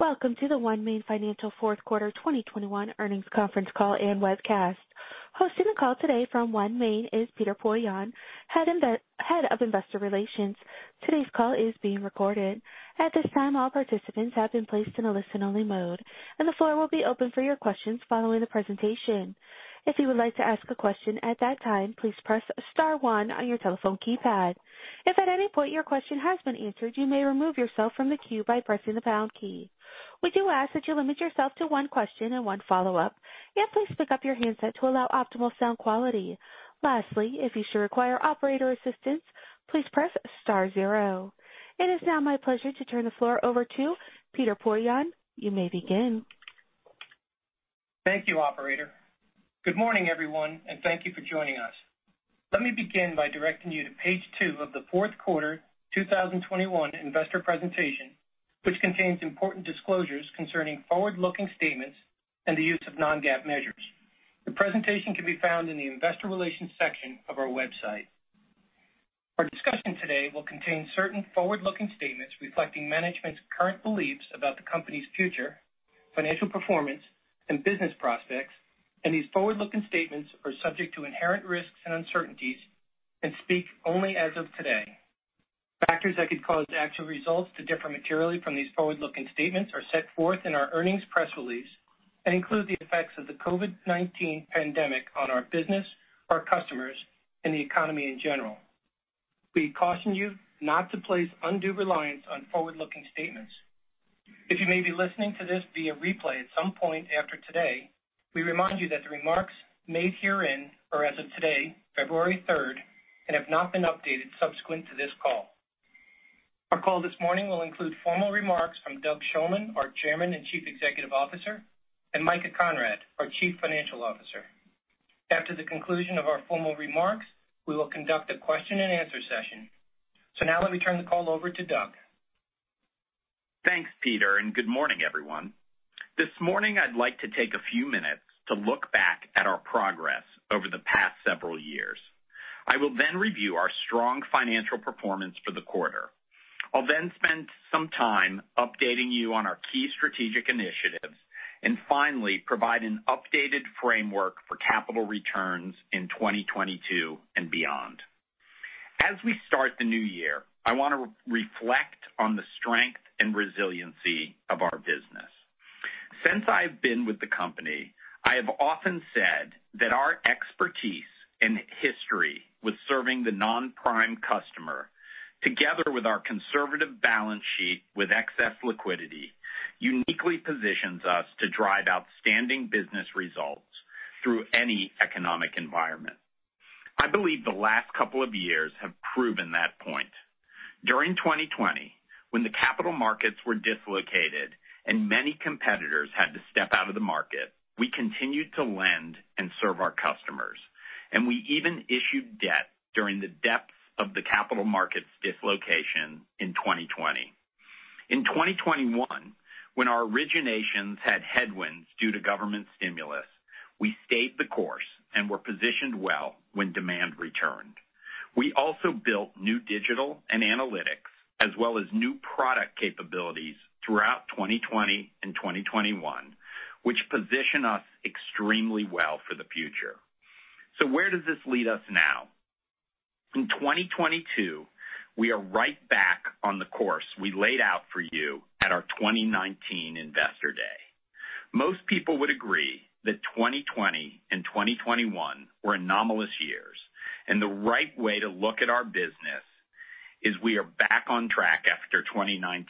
Welcome to the OneMain Financial fourth quarter 2021 earnings conference call and webcast. Hosting the call today from OneMain is Peter Poillon, Head of Investor Relations. Today's call is being recorded. At this time, all participants have been placed in a listen-only mode, and the floor will be open for your questions following the presentation. If you would like to ask a question at that time, please press star one on your telephone keypad. If at any point your question has been answered, you may remove yourself from the queue by pressing the pound key. We do ask that you limit yourself to one question and one follow-up, and please pick up your handset to allow optimal sound quality. Lastly, if you should require operator assistance, please press star zero. It is now my pleasure to turn the floor over to Peter Poillon. You may begin. Thank you, operator. Good morning, everyone, and thank you for joining us. Let me begin by directing you to page two of the fourth quarter 2021 investor presentation, which contains important disclosures concerning forward-looking statements and the use of non-GAAP measures. The presentation can be found in the investor relations section of our website. Our discussion today will contain certain forward-looking statements reflecting management's current beliefs about the company's future, financial performance, and business prospects, and these forward-looking statements are subject to inherent risks and uncertainties and speak only as of today. Factors that could cause actual results to differ materially from these forward-looking statements are set forth in our earnings press release and include the effects of the COVID-19 pandemic on our business, our customers, and the economy in general. We caution you not to place undue reliance on forward-looking statements. If you may be listening to this via replay at some point after today, we remind you that the remarks made herein are as of today, February third, and have not been updated subsequent to this call. Our call this morning will include formal remarks from Doug Shulman, our Chairman and Chief Executive Officer, and Micah Conrad, our Chief Financial Officer. After the conclusion of our formal remarks, we will conduct a question-and-answer session. Now let me turn the call over to Doug. Thanks, Peter, and good morning, everyone. This morning I'd like to take a few minutes to look back at our progress over the past several years. I will then review our strong financial performance for the quarter. I'll then spend some time updating you on our key strategic initiatives and finally provide an updated framework for capital returns in 2022 and beyond. As we start the new year, I want to reflect on the strength and resiliency of our business. Since I've been with the company, I have often said that our expertise and history with serving the non-prime customer, together with our conservative balance sheet with excess liquidity, uniquely positions us to drive outstanding business results through any economic environment. I believe the last couple of years have proven that point. During 2020, when the capital markets were dislocated and many competitors had to step out of the market, we continued to lend and serve our customers, and we even issued debt during the depths of the capital markets dislocation in 2020. In 2021, when our originations had headwinds due to government stimulus, we stayed the course and were positioned well when demand returned. We also built new digital and analytics as well as new product capabilities throughout 2020 and 2021 which position us extremely well for the future. Where does this lead us now? In 2022, we are right back on the course we laid out for you at our 2019 investor day. Most people would agree that 2020 and 2021 were anomalous years, and the right way to look at our business is we are back on track after 2019,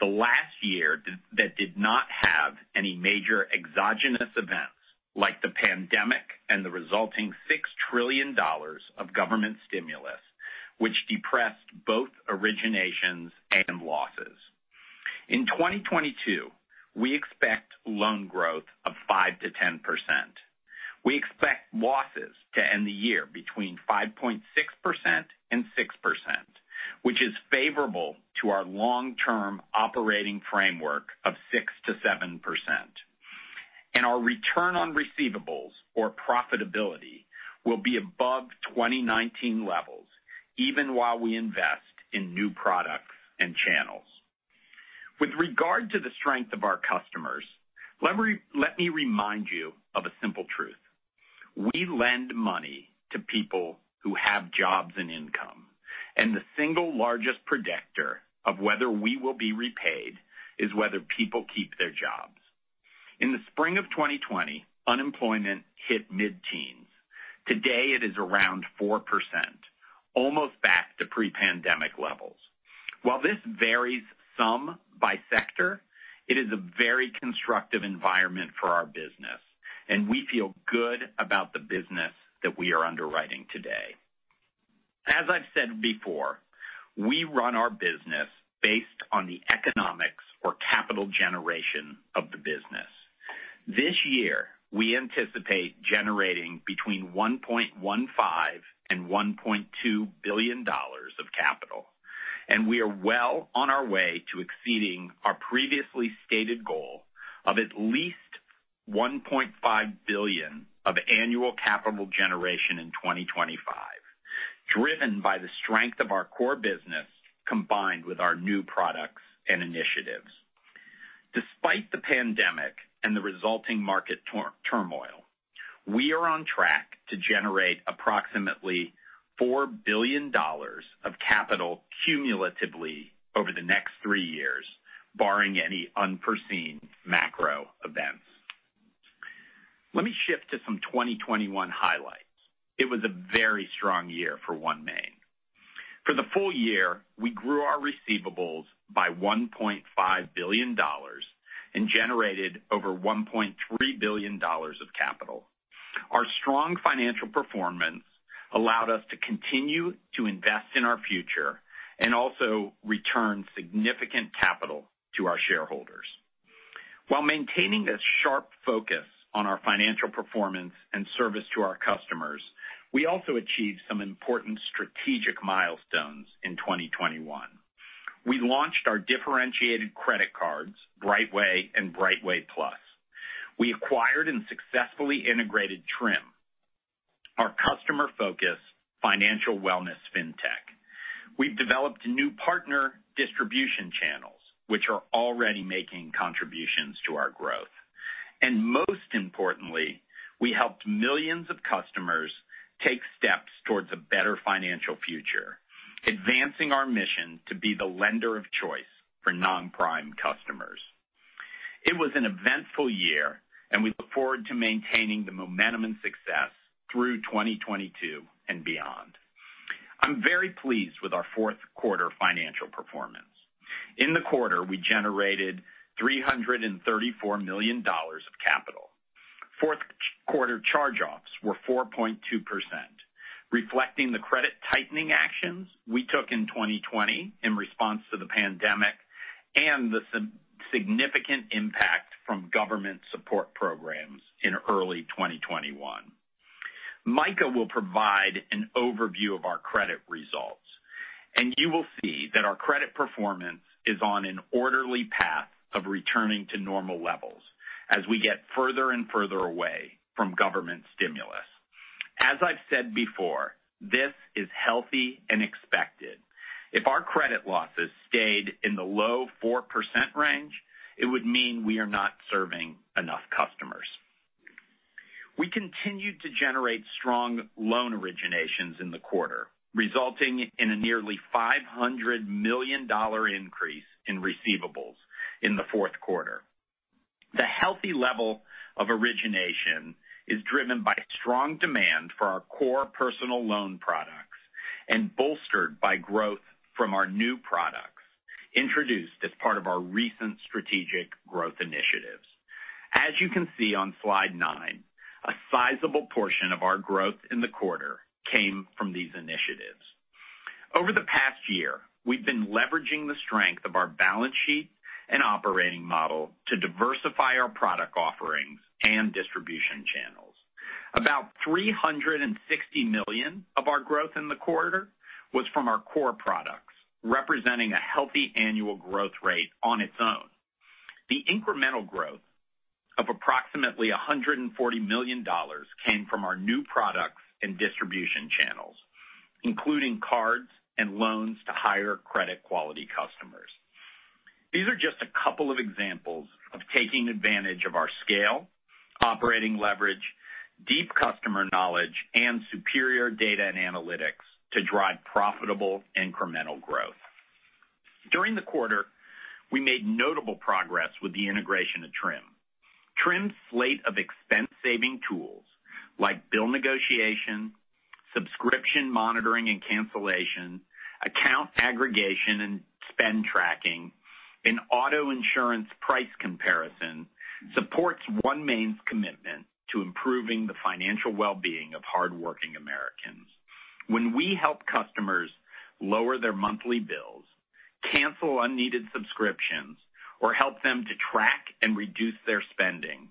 the last year that did not have any major exogenous events like the pandemic and the resulting $6 trillion of government stimulus, which depressed both originations and losses. In 2022, we expect loan growth of 5%-10%. We expect losses to end the year between 5.6% and 6%, which is favorable to our long-term operating framework of 6%-7%. Our return on receivables or profitability will be above 2019 levels even while we invest in new products and channels. With regard to the strength of our customers, let me remind you of a simple truth. We lend money to people who have jobs and income, and the single largest predictor of whether we will be repaid is whether people keep their jobs. In the spring of 2020, unemployment hit mid-teens. Today, it is around 4%, almost back to pre-pandemic levels. While this varies some by sector, it is a very constructive environment for our business, and we feel good about the business that we are underwriting today. As I've said before, we run our business based on the economics or capital generation of the business. This year, we anticipate generating between $1.15 billion and $1.2 billion of capital, and we are well on our way to exceeding our previously stated goal of at least $1.5 billion of annual capital generation in 2025, driven by the strength of our core business, combined with our new products and initiatives. Despite the pandemic and the resulting market turmoil, we are on track to generate approximately $4 billion of capital cumulatively over the next three years, barring any unforeseen macro events. Let me shift to some 2021 highlights. It was a very strong year for OneMain. For the full year, we grew our receivables by $1.5 billion and generated over $1.3 billion of capital. Our strong financial performance allowed us to continue to invest in our future and also return significant capital to our shareholders. While maintaining a sharp focus on our financial performance and service to our customers, we also achieved some important strategic milestones in 2021. We launched our differentiated credit cards, BrightWay and BrightWay+. We acquired and successfully integrated Trim, our customer-focused financial wellness fintech. We've developed new partner distribution channels, which are already making contributions to our growth. Most importantly, we helped millions of customers take steps towards a better financial future, advancing our mission to be the lender of choice for non-prime customers. It was an eventful year, and we look forward to maintaining the momentum and success through 2022 and beyond. I'm very pleased with our fourth quarter financial performance. In the quarter, we generated $334 million of capital. Fourth quarter charge-offs were 4.2%, reflecting the credit tightening actions we took in 2020 in response to the pandemic and the significant impact from government support programs in early 2021. Micah will provide an overview of our credit results, and you will see that our credit performance is on an orderly path of returning to normal levels as we get further and further away from government stimulus. As I've said before, this is healthy and expected. If our credit losses stayed in the low 4% range, it would mean we are not serving enough customers. We continued to generate strong loan originations in the quarter, resulting in a nearly $500 million increase in receivables in the fourth quarter. The healthy level of origination is driven by strong demand for our core personal loan products and bolstered by growth from our new products introduced as part of our recent strategic growth initiatives. As you can see on slide nine, a sizable portion of our growth in the quarter came from these initiatives. Over the past year, we've been leveraging the strength of our balance sheet and operating model to diversify our product offerings and distribution channels. About $360 million of our growth in the quarter was from our core products, representing a healthy annual growth rate on its own. The incremental growth of approximately $140 million came from our new products and distribution channels, including cards and loans to higher credit quality customers. These are just a couple of examples of taking advantage of our scale, operating leverage, deep customer knowledge, and superior data and analytics to drive profitable incremental growth. During the quarter, we made notable progress with the integration of Trim. Trim's slate of expense-saving tools, like bill negotiation, subscription monitoring and cancellation, account aggregation and spend tracking, and auto insurance price comparison, supports OneMain's commitment to improving the financial well-being of hardworking Americans. When we help customers lower their monthly bills, cancel unneeded subscriptions, or help them to track and reduce their spending,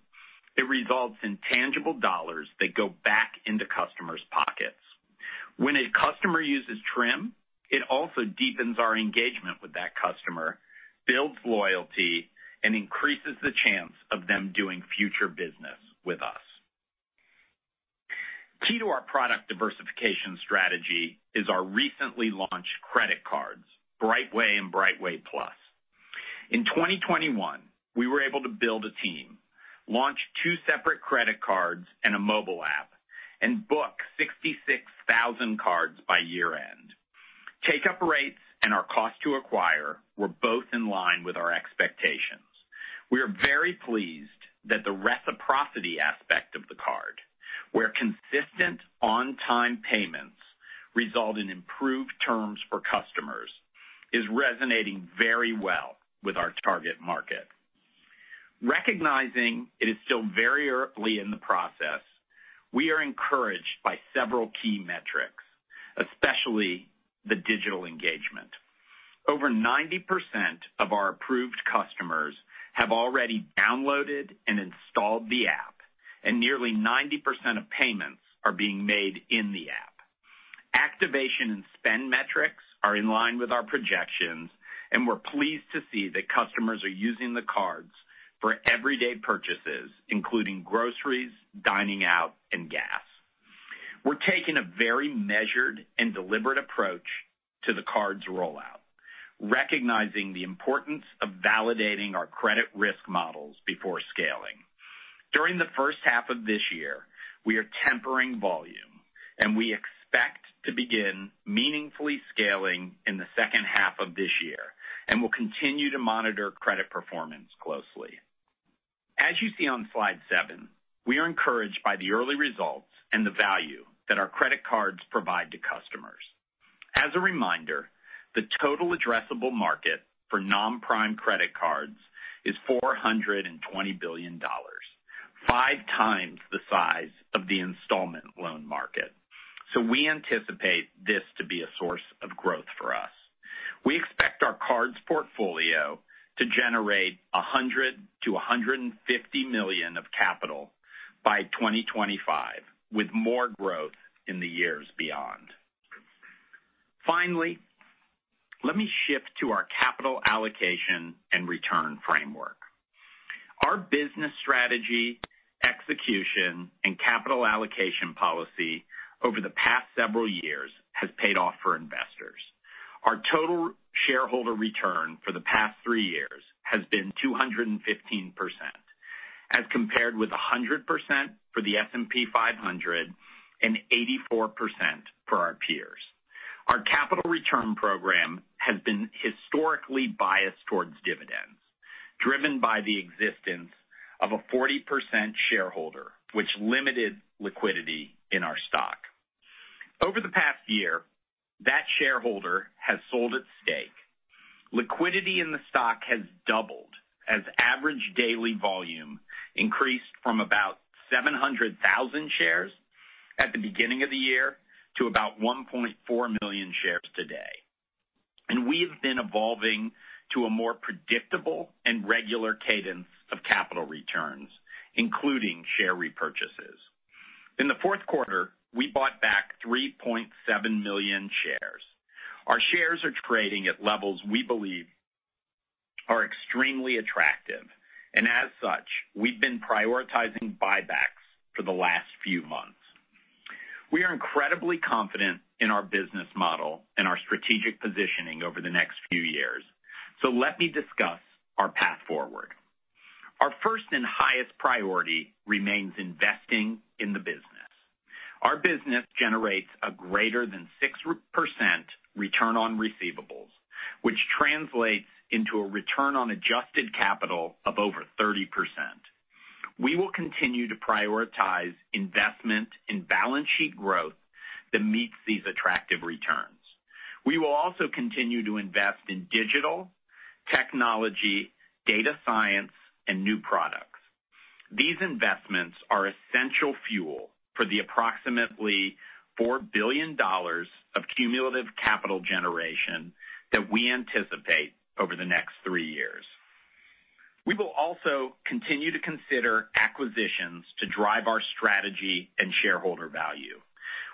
it results in tangible dollars that go back into customers' pockets. When a customer uses Trim, it also deepens our engagement with that customer, builds loyalty, and increases the chance of them doing future business with us. Key to our product diversification strategy is our recently launched credit cards, BrightWay and BrightWay+. In 2021, we were able to build a team, launch two separate credit cards and a mobile app, and book 66,000 cards by year-end. Take-up rates and our cost to acquire were both in line with our expectations. We are very pleased that the reciprocity aspect of the card, where consistent on-time payments result in improved terms for customers, is resonating very well with our target market. Recognizing it is still very early in the process, we are encouraged by several key metrics, especially the digital engagement. Over 90% of our approved customers have already downloaded and installed the app, and nearly 90% of payments are being made in the app. Activation and spend metrics are in line with our projections. We're pleased to see that customers are using the cards for everyday purchases, including groceries, dining out, and gas. We're taking a very measured and deliberate approach to the cards rollout, recognizing the importance of validating our credit risk models before scaling. During the first half of this year, we are tempering volume, and we expect to begin meaningfully scaling in the second half of this year, and we'll continue to monitor credit performance closely. As you see on slide seven, we are encouraged by the early results and the value that our credit cards provide to customers. As a reminder, the total addressable market for non-prime credit cards is $420 billion, 5x the size of the installment loan market. We anticipate this to be a source of growth for us. We expect our cards portfolio to generate $100 million-$150 million of capital by 2025, with more growth in the years beyond. Finally, let me shift to our capital allocation and return framework. Our business strategy, execution, and capital allocation policy over the past several years has paid off for investors. Our total shareholder return for the past three years has been 215%, as compared with 100% for the S&P 500 and 84% for our peers. Our capital return program has been historically biased towards dividends, driven by the existence of a 40% shareholder, which limited liquidity in our stock. Over the past year, that shareholder has sold its stake. Liquidity in the stock has doubled as average daily volume increased from about 700,000 shares at the beginning of the year to about 1.4 million shares today. We have been evolving to a more predictable and regular cadence of capital returns, including share repurchases. In the fourth quarter, we bought back 3.7 million shares. Our shares are trading at levels we believe are extremely attractive, and as such, we've been prioritizing buybacks for the last few months. We are incredibly confident in our business model and our strategic positioning over the next few years. Let me discuss our path forward. Our first and highest priority remains investing in the business. Our business generates a greater than 6% return on receivables, which translates into a return on adjusted capital of over 30%. We will continue to prioritize investment in balance sheet growth that meets these attractive returns. We will also continue to invest in digital, technology, data science, and new products. These investments are essential fuel for the approximately $4 billion of cumulative capital generation that we anticipate over the next three years. We will also continue to consider acquisitions to drive our strategy and shareholder value.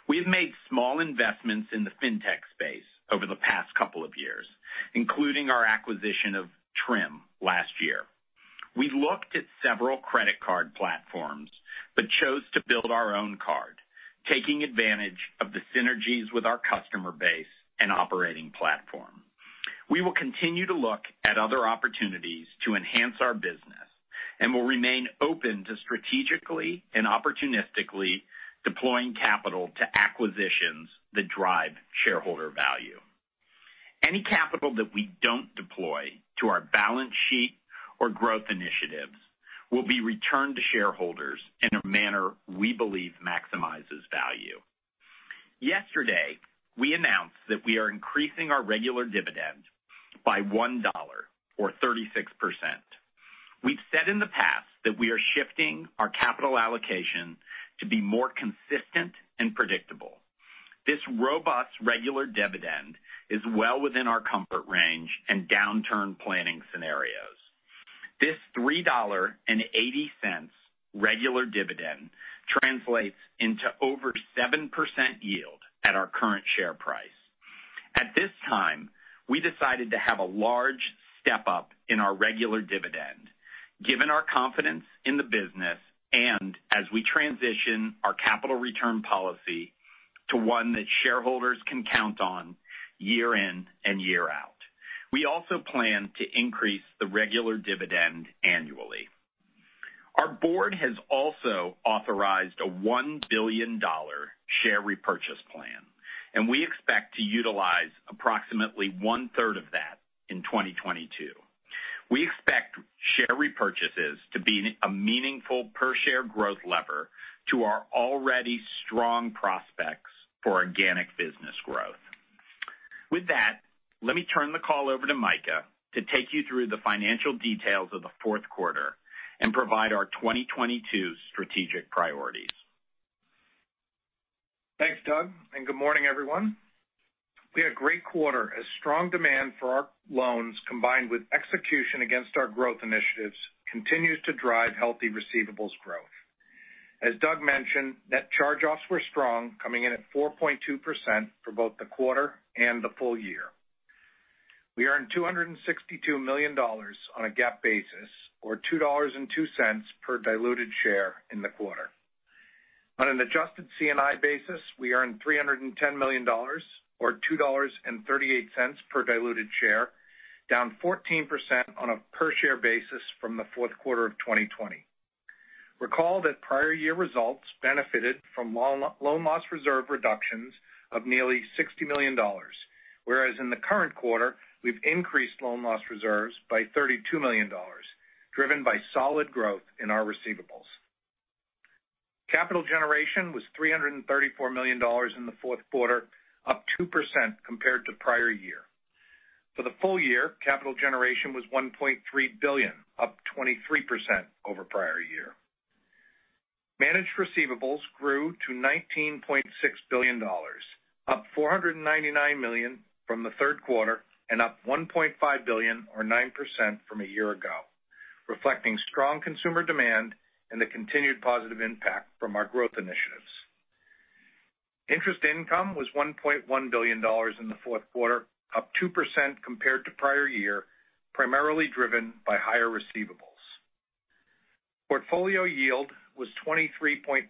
We have made small investments in the fintech space over the past couple of years, including our acquisition of Trim last year. We looked at several credit card platforms, but chose to build our own card, taking advantage of the synergies with our customer base and operating platform. We will continue to look at other opportunities to enhance our business and will remain open to strategically and opportunistically deploying capital to acquisitions that drive shareholder value. Any capital that we don't deploy to our balance sheet or growth initiatives will be returned to shareholders in a manner we believe maximizes value. Yesterday, we announced that we are increasing our regular dividend by $1 or 36%. We've said in the past that we are shifting our capital allocation to be more consistent and predictable. This robust regular dividend is well within our comfort range and downturn planning scenarios. This $3.80 regular dividend translates into over 7% yield at our current share price. At this time, we decided to have a large step-up in our regular dividend, given our confidence in the business and as we transition our capital return policy to one that shareholders can count on year in and year out. We also plan to increase the regular dividend annually. Our board has also authorized a $1 billion share repurchase plan, and we expect to utilize approximately one-third of that in 2022. We expect share repurchases to be a meaningful per-share growth lever to our already strong prospects for organic business growth. With that, let me turn the call over to Micah to take you through the financial details of the fourth quarter and provide our 2022 strategic priorities. Thanks, Doug, and good morning, everyone. We had a great quarter as strong demand for our loans combined with execution against our growth initiatives continues to drive healthy receivables growth. As Doug mentioned, net charge-offs were strong, coming in at 4.2% for both the quarter and the full year. We earned $262 million on a GAAP basis or $2.02 per diluted share in the quarter. On an adjusted C&I basis, we earned $310 million or $2.38 per diluted share, down 14% on a per-share basis from the fourth quarter of 2020. Recall that prior year results benefited from loan loss reserve reductions of nearly $60 million. Whereas in the current quarter, we've increased loan loss reserves by $32 million, driven by solid growth in our receivables. Capital generation was $334 million in the fourth quarter, up 2% compared to prior year. For the full year, capital generation was $1.3 billion, up 23% over prior year. Managed receivables grew to $19.6 billion, up $499 million from the third quarter and up $1.5 billion or 9% from a year ago, reflecting strong consumer demand and the continued positive impact from our growth initiatives. Interest income was $1.1 billion in the fourth quarter, up 2% compared to prior year, primarily driven by higher receivables. Portfolio yield was 23.3%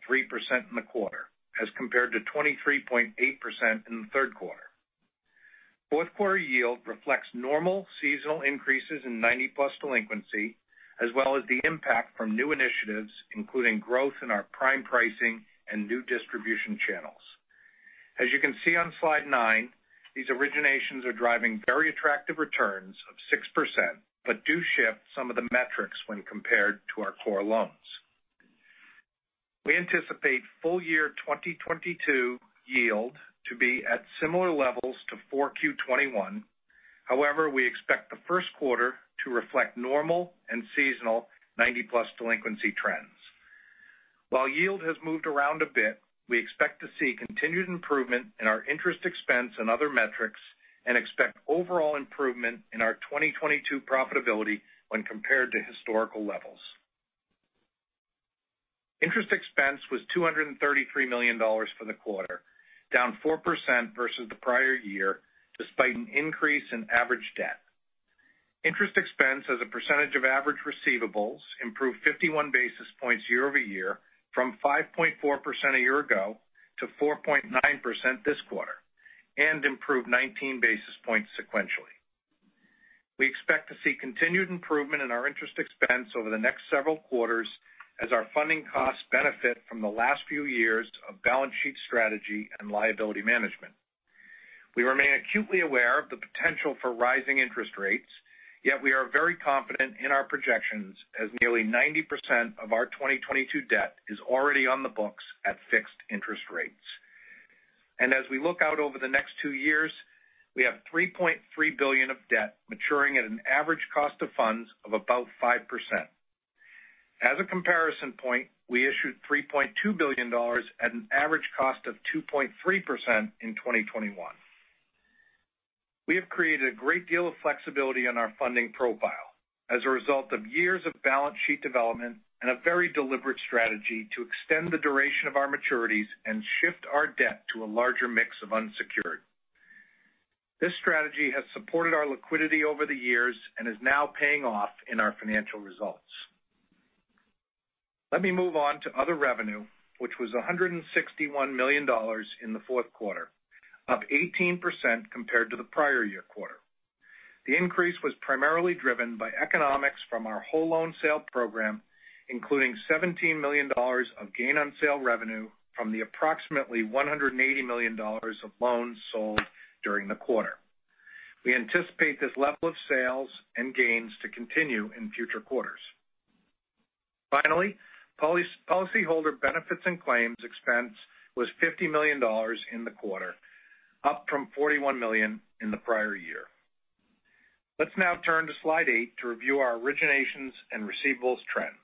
in the quarter as compared to 23.8% in the third quarter. Fourth quarter yield reflects normal seasonal increases in 90+ delinquency, as well as the impact from new initiatives, including growth in our prime pricing and new distribution channels. As you can see on slide nine, these originations are driving very attractive returns of 6%, but do shift some of the metrics when compared to our core loans. We anticipate full year 2022 yield to be at similar levels to 4Q21. However, we expect the first quarter to reflect normal and seasonal 90+ delinquency trends. While yield has moved around a bit, we expect to see continued improvement in our interest expense and other metrics and expect overall improvement in our 2022 profitability when compared to historical levels. Interest expense was $233 million for the quarter, down 4% versus the prior year, despite an increase in average debt. Interest expense as a percentage of average receivables improved 51 basis points year-over-year from 5.4% a year ago to 4.9% this quarter, and improved 19 basis points sequentially. We expect to see continued improvement in our interest expense over the next several quarters as our funding costs benefit from the last few years of balance sheet strategy and liability management. We remain acutely aware of the potential for rising interest rates, yet we are very confident in our projections as nearly 90% of our 2022 debt is already on the books at fixed interest rates. As we look out over the next two years, we have $3.3 billion of debt maturing at an average cost of funds of about 5%. As a comparison point, we issued $3.2 billion at an average cost of 2.3% in 2021. We have created a great deal of flexibility in our funding profile as a result of years of balance sheet development and a very deliberate strategy to extend the duration of our maturities and shift our debt to a larger mix of unsecured. This strategy has supported our liquidity over the years and is now paying off in our financial results. Let me move on to other revenue, which was $161 million in the fourth quarter, up 18% compared to the prior year quarter. The increase was primarily driven by economics from our whole loan sale program, including $17 million of gain on sale revenue from the approximately $180 million of loans sold during the quarter. We anticipate this level of sales and gains to continue in future quarters. Finally, policyholder benefits and claims expense was $50 million in the quarter, up from $41 million in the prior year. Let's now turn to slide eight to review our originations and receivables trends.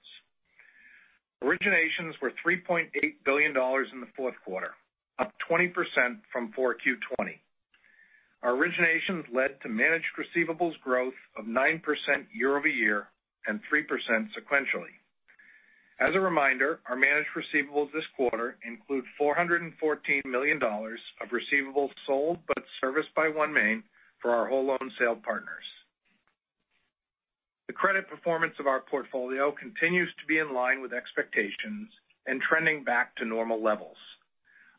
Originations were $3.8 billion in the fourth quarter, up 20% from 4Q 2020. Our originations led to managed receivables growth of 9% year-over-year and 3% sequentially. As a reminder, our managed receivables this quarter include $414 million of receivables sold but serviced by OneMain for our whole loan sale partners. The credit performance of our portfolio continues to be in line with expectations and trending back to normal levels.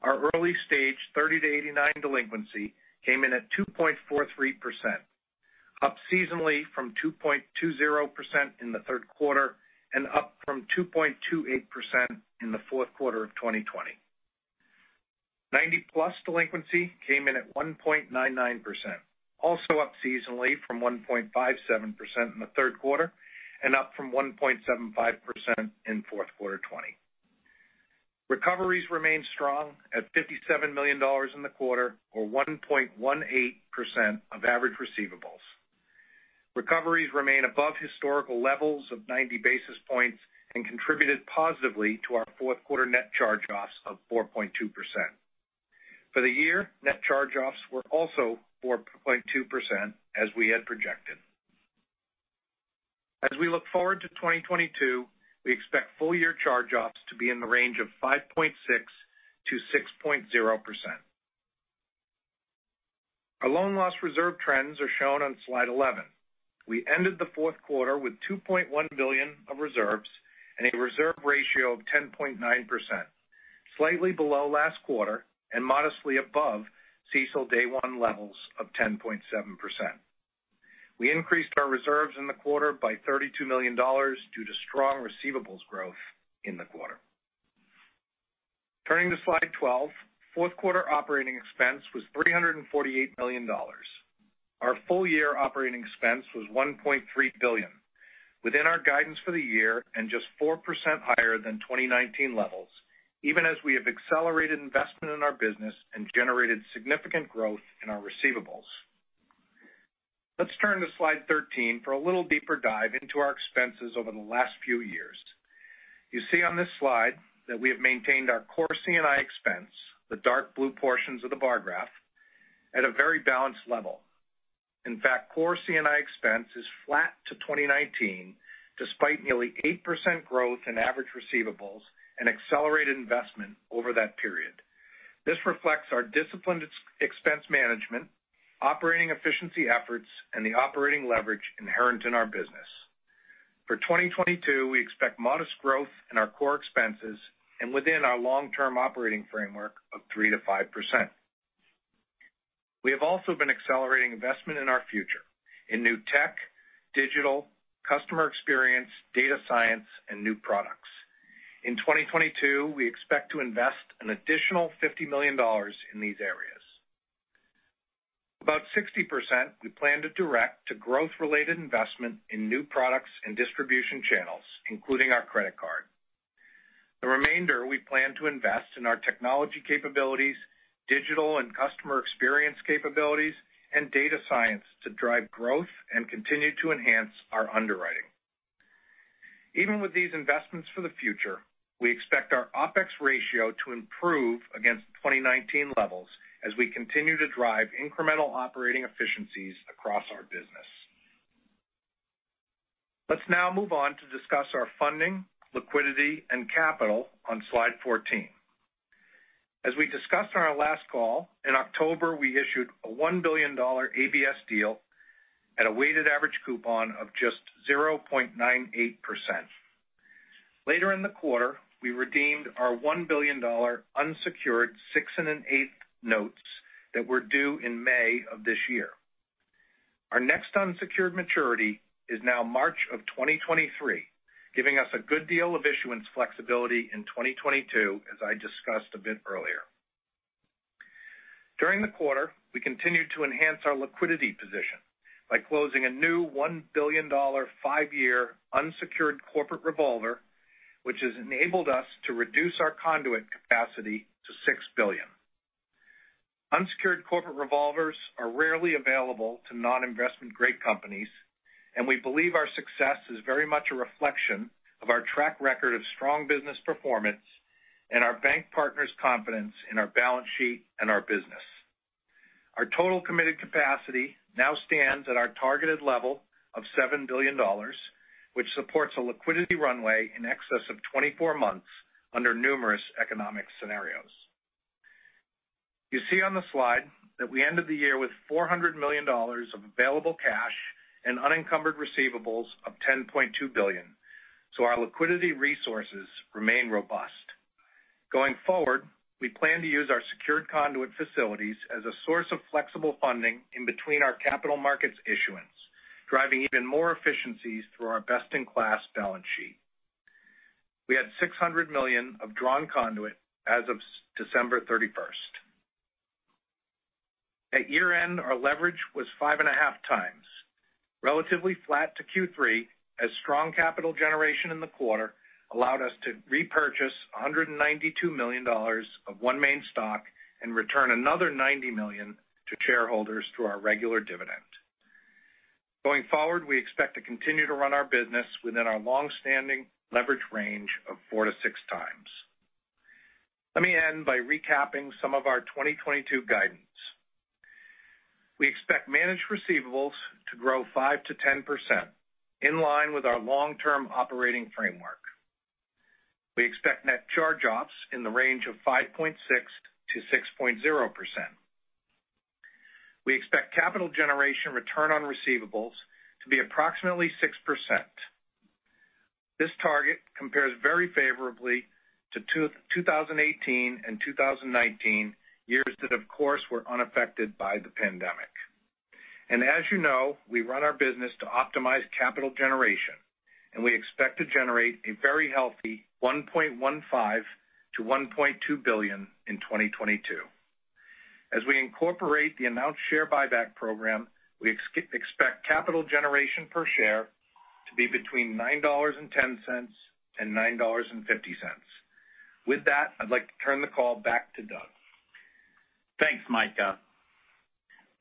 Our early stage 30-89 delinquency came in at 2.43%, up seasonally from 2.20% in the third quarter and up from 2.28% in the fourth quarter of 2020. 90+ delinquency came in at 1.99%, also up seasonally from 1.57% in the third quarter and up from 1.75% in fourth quarter 2020. Recoveries remained strong at $57 million in the quarter or 1.18% of average receivables. Recoveries remain above historical levels of 90 basis points and contributed positively to our fourth quarter net charge-offs of 4.2%. For the year, net charge-offs were also 4.2%, as we had projected. As we look forward to 2022, we expect full year charge-offs to be in the range of 5.6%-6.0%. Our loan loss reserve trends are shown on slide 11. We ended the fourth quarter with $2.1 billion of reserves and a reserve ratio of 10.9%, slightly below last quarter and modestly above CECL day one levels of 10.7%. We increased our reserves in the quarter by $32 million due to strong receivables growth in the quarter. Turning to slide 12. Fourth quarter operating expense was $348 million. Our full-year operating expense was $1.3 billion, within our guidance for the year and just 4% higher than 2019 levels, even as we have accelerated investment in our business and generated significant growth in our receivables. Let's turn to slide 13 for a little deeper dive into our expenses over the last few years. You see on this slide that we have maintained our core C&I expense, the dark blue portions of the bar graph, at a very balanced level. In fact, core C&I expense is flat to 2019 despite nearly 8% growth in average receivables and accelerated investment over that period. This reflects our disciplined expense management, operating efficiency efforts, and the operating leverage inherent in our business. For 2022, we expect modest growth in our core expenses and within our long-term operating framework of 3%-5%. We have also been accelerating investment in our future in new tech, digital, customer experience, data science, and new products. In 2022, we expect to invest an additional $50 million in these areas. About 60% we plan to direct to growth-related investment in new products and distribution channels, including our credit card. The remainder we plan to invest in our technology capabilities, digital and customer experience capabilities, and data science to drive growth and continue to enhance our underwriting. Even with these investments for the future, we expect our OpEx ratio to improve against 2019 levels as we continue to drive incremental operating efficiencies across our business. Let's now move on to discuss our funding, liquidity, and capital on slide 14. As we discussed on our last call, in October, we issued a $1 billion ABS deal at a weighted average coupon of just 0.98%. Later in the quarter, we redeemed our $1 billion unsecured 6 1/8 notes that were due in May of this year. Our next unsecured maturity is now March 2023, giving us a good deal of issuance flexibility in 2022, as I discussed a bit earlier. During the quarter, we continued to enhance our liquidity position by closing a new $1 billion five-year unsecured corporate revolver, which has enabled us to reduce our conduit capacity to $6 billion. Unsecured corporate revolvers are rarely available to non-investment-grade companies, and we believe our success is very much a reflection of our track record of strong business performance and our bank partners' confidence in our balance sheet and our business. Our total committed capacity now stands at our targeted level of $7 billion, which supports a liquidity runway in excess of 24 months under numerous economic scenarios. You see on the slide that we ended the year with $400 million of available cash and unencumbered receivables of $10.2 billion, so our liquidity resources remain robust. Going forward, we plan to use our secured conduit facilities as a source of flexible funding in between our capital markets issuance, driving even more efficiencies through our best-in-class balance sheet. We had $600 million of drawn conduit as of December 31st. At year-end, our leverage was 5.5x, relatively flat to Q3 as strong capital generation in the quarter allowed us to repurchase $192 million of OneMain stock and return another $90 million to shareholders through our regular dividend. Going forward, we expect to continue to run our business within our long-standing leverage range of 4x-6x. Let me end by recapping some of our 2022 guidance. We expect managed receivables to grow 5%-10% in line with our long-term operating framework. We expect net charge-offs in the range of 5.6%-6.0%. We expect capital generation return on receivables to be approximately 6%. This target compares very favorably to 2018 and 2019, years that of course were unaffected by the pandemic. As you know, we run our business to optimize capital generation, and we expect to generate a very healthy $1.15 billion-$1.2 billion in 2022. As we incorporate the announced share buyback program, we expect capital generation per share to be between $9.10 and $9.50. With that, I'd like to turn the call back to Doug. Thanks, Micah.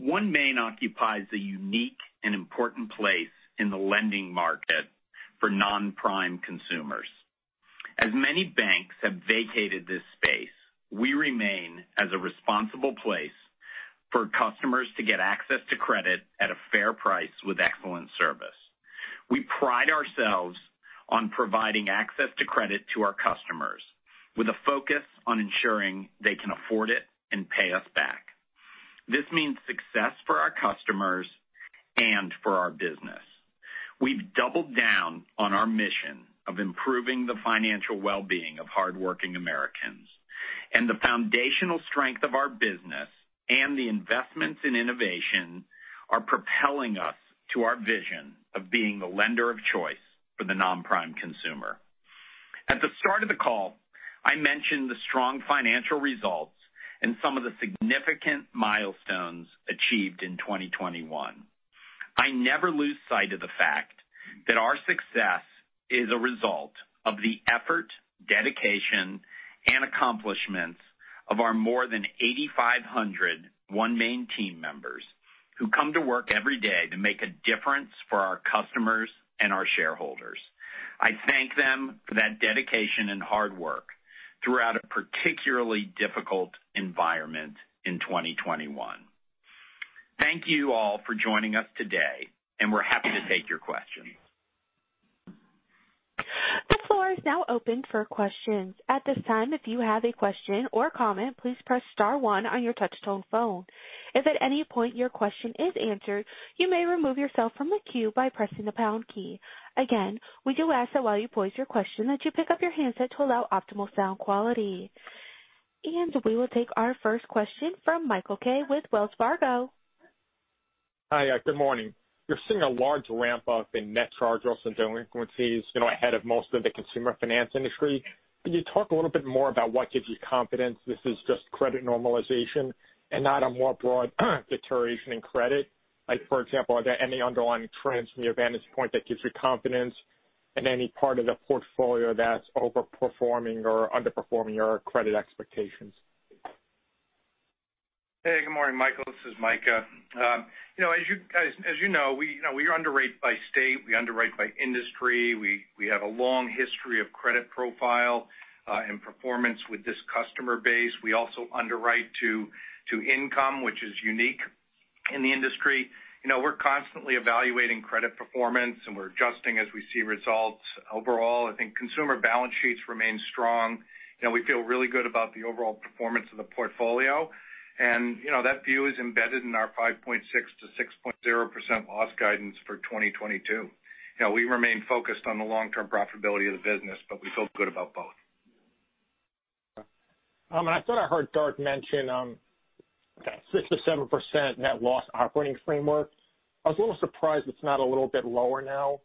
OneMain occupies a unique and important place in the lending market for non-prime consumers. As many banks have vacated this space, we remain as a responsible place for customers to get access to credit at a fair price with excellent service. We pride ourselves on providing access to credit to our customers with a focus on ensuring they can afford it and pay us back. This means success for our customers and for our business. We've doubled down on our mission of improving the financial well-being of hardworking Americans. The foundational strength of our business and the investments in innovation are propelling us to our vision of being the lender of choice for the non-prime consumer. At the start of the call, I mentioned the strong financial results and some of the significant milestones achieved in 2021. I never lose sight of the fact that our success is a result of the effort, dedication, and accomplishments of our more than 8,500 OneMain team members who come to work every day to make a difference for our customers and our shareholders. I thank them for that dedication and hard work throughout a particularly difficult environment in 2021. Thank you all for joining us today, and we're happy to take your questions. The floor is now open for questions. At this time, if you have a question or comment, please press star one on your touch-tone phone. If at any point your question is answered, you may remove yourself from the queue by pressing the pound key. Again, we do ask that while you pose your question that you pick up your handset to allow optimal sound quality. We will take our first question from Michael Kaye with Wells Fargo. Hi. Good morning. You're seeing a large ramp-up in net charge-offs and delinquencies, you know, ahead of most of the consumer finance industry. Can you talk a little bit more about what gives you confidence this is just credit normalization and not a more broad deterioration in credit? Like, for example, are there any underlying trends from your vantage point that gives you confidence in any part of the portfolio that's overperforming or underperforming your credit expectations? Hey, good morning, Michael. This is Micah. You know, as you know, we underwrite by state, we underwrite by industry. We have a long history of credit profile and performance with this customer base. We also underwrite to income, which is unique in the industry. You know, we're constantly evaluating credit performance, and we're adjusting as we see results. Overall, I think consumer balance sheets remain strong. You know, we feel really good about the overall performance of the portfolio. You know, that view is embedded in our 5.6%-6.0% loss guidance for 2022. You know, we remain focused on the long-term profitability of the business, but we feel good about both. I thought I heard Doug mention, okay, 6%-7% net loss operating framework. I was a little surprised it's not a little bit lower now,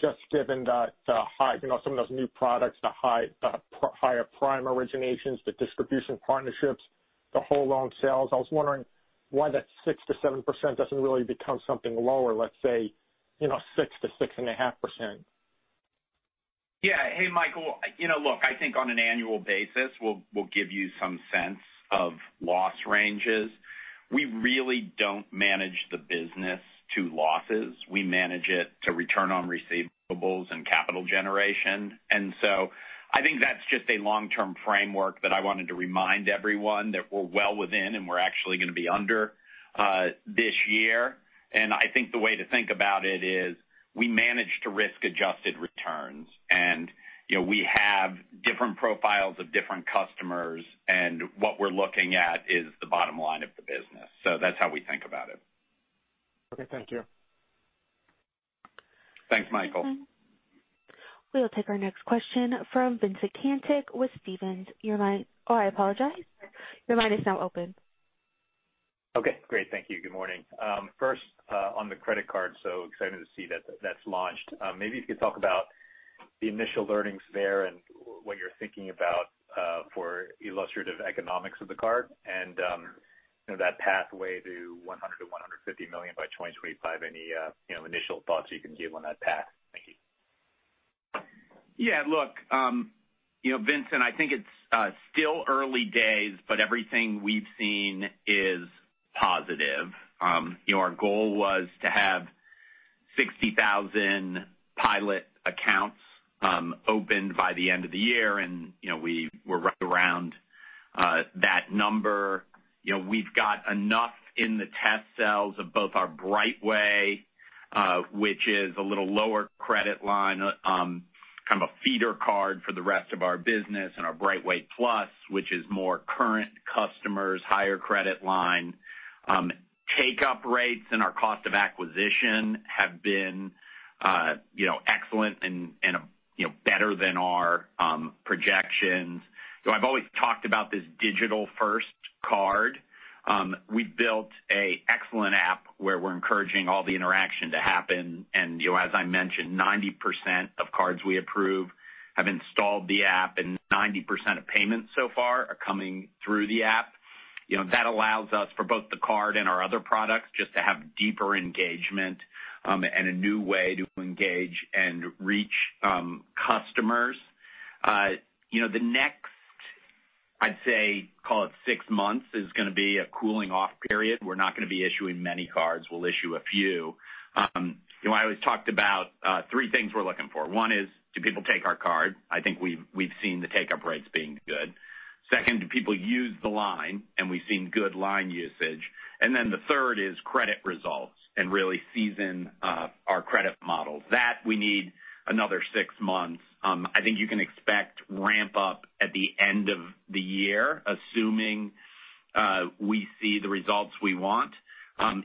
just given that, you know, some of those new products, the higher prime originations, the distribution partnerships, the whole loan sales. I was wondering why that 6%-7% doesn't really become something lower, let's say, you know, 6%-6.5%. Yeah. Hey, Michael. You know, look, I think on an annual basis, we'll give you some sense of loss ranges. We really don't manage the business to losses. We manage it to return on receivables and capital generation. I think that's just a long-term framework that I wanted to remind everyone that we're well within, and we're actually gonna be under this year. I think the way to think about it is we manage to risk-adjusted returns. You know, we have different profiles of different customers, and what we're looking at is the bottom line of the business. That's how we think about it. Okay. Thank you. Thanks, Michael. We will take our next question from Vincent Caintic with Stephens. Your line. Oh, I apologize. Your line is now open. Okay, great. Thank you. Good morning. First, on the credit card, so excited to see that that's launched. Maybe if you could talk about the initial learnings there and what you're thinking about for illustrative economics of the card and, you know, that pathway to $100 million-$150 million by 2025. Any, you know, initial thoughts you can give on that path? Thank you. Yeah, look. You know, Vincent, I think it's still early days, but everything we've seen is positive. You know, our goal was to have 60,000 pilot accounts open by the end of the year and, you know, we were right around that number. You know, we've got enough in the test cells of both our BrightWay, which is a little lower credit line, kind of a feeder card for the rest of our business and our BrightWay+, which is more current customers, higher credit line. Take-up rates and our cost of acquisition have been, you know, excellent and you know, better than our projections. I've always talked about this digital-first card. We built an excellent app where we're encouraging all the interaction to happen. You know, as I mentioned, 90% of cards we approve have installed the app, and 90% of payments so far are coming through the app. You know, that allows us for both the card and our other products just to have deeper engagement, and a new way to engage and reach customers. You know, I'd say call it six months is gonna be a cooling off period. We're not gonna be issuing many cards. We'll issue a few. You know, I always talked about three things we're looking for. One is, do people take our card? I think we've seen the take-up rates being good. Second, do people use the line? And we've seen good line usage. And then the third is credit results and really season our credit models. That we need another six months. I think you can expect ramp up at the end of the year, assuming we see the results we want.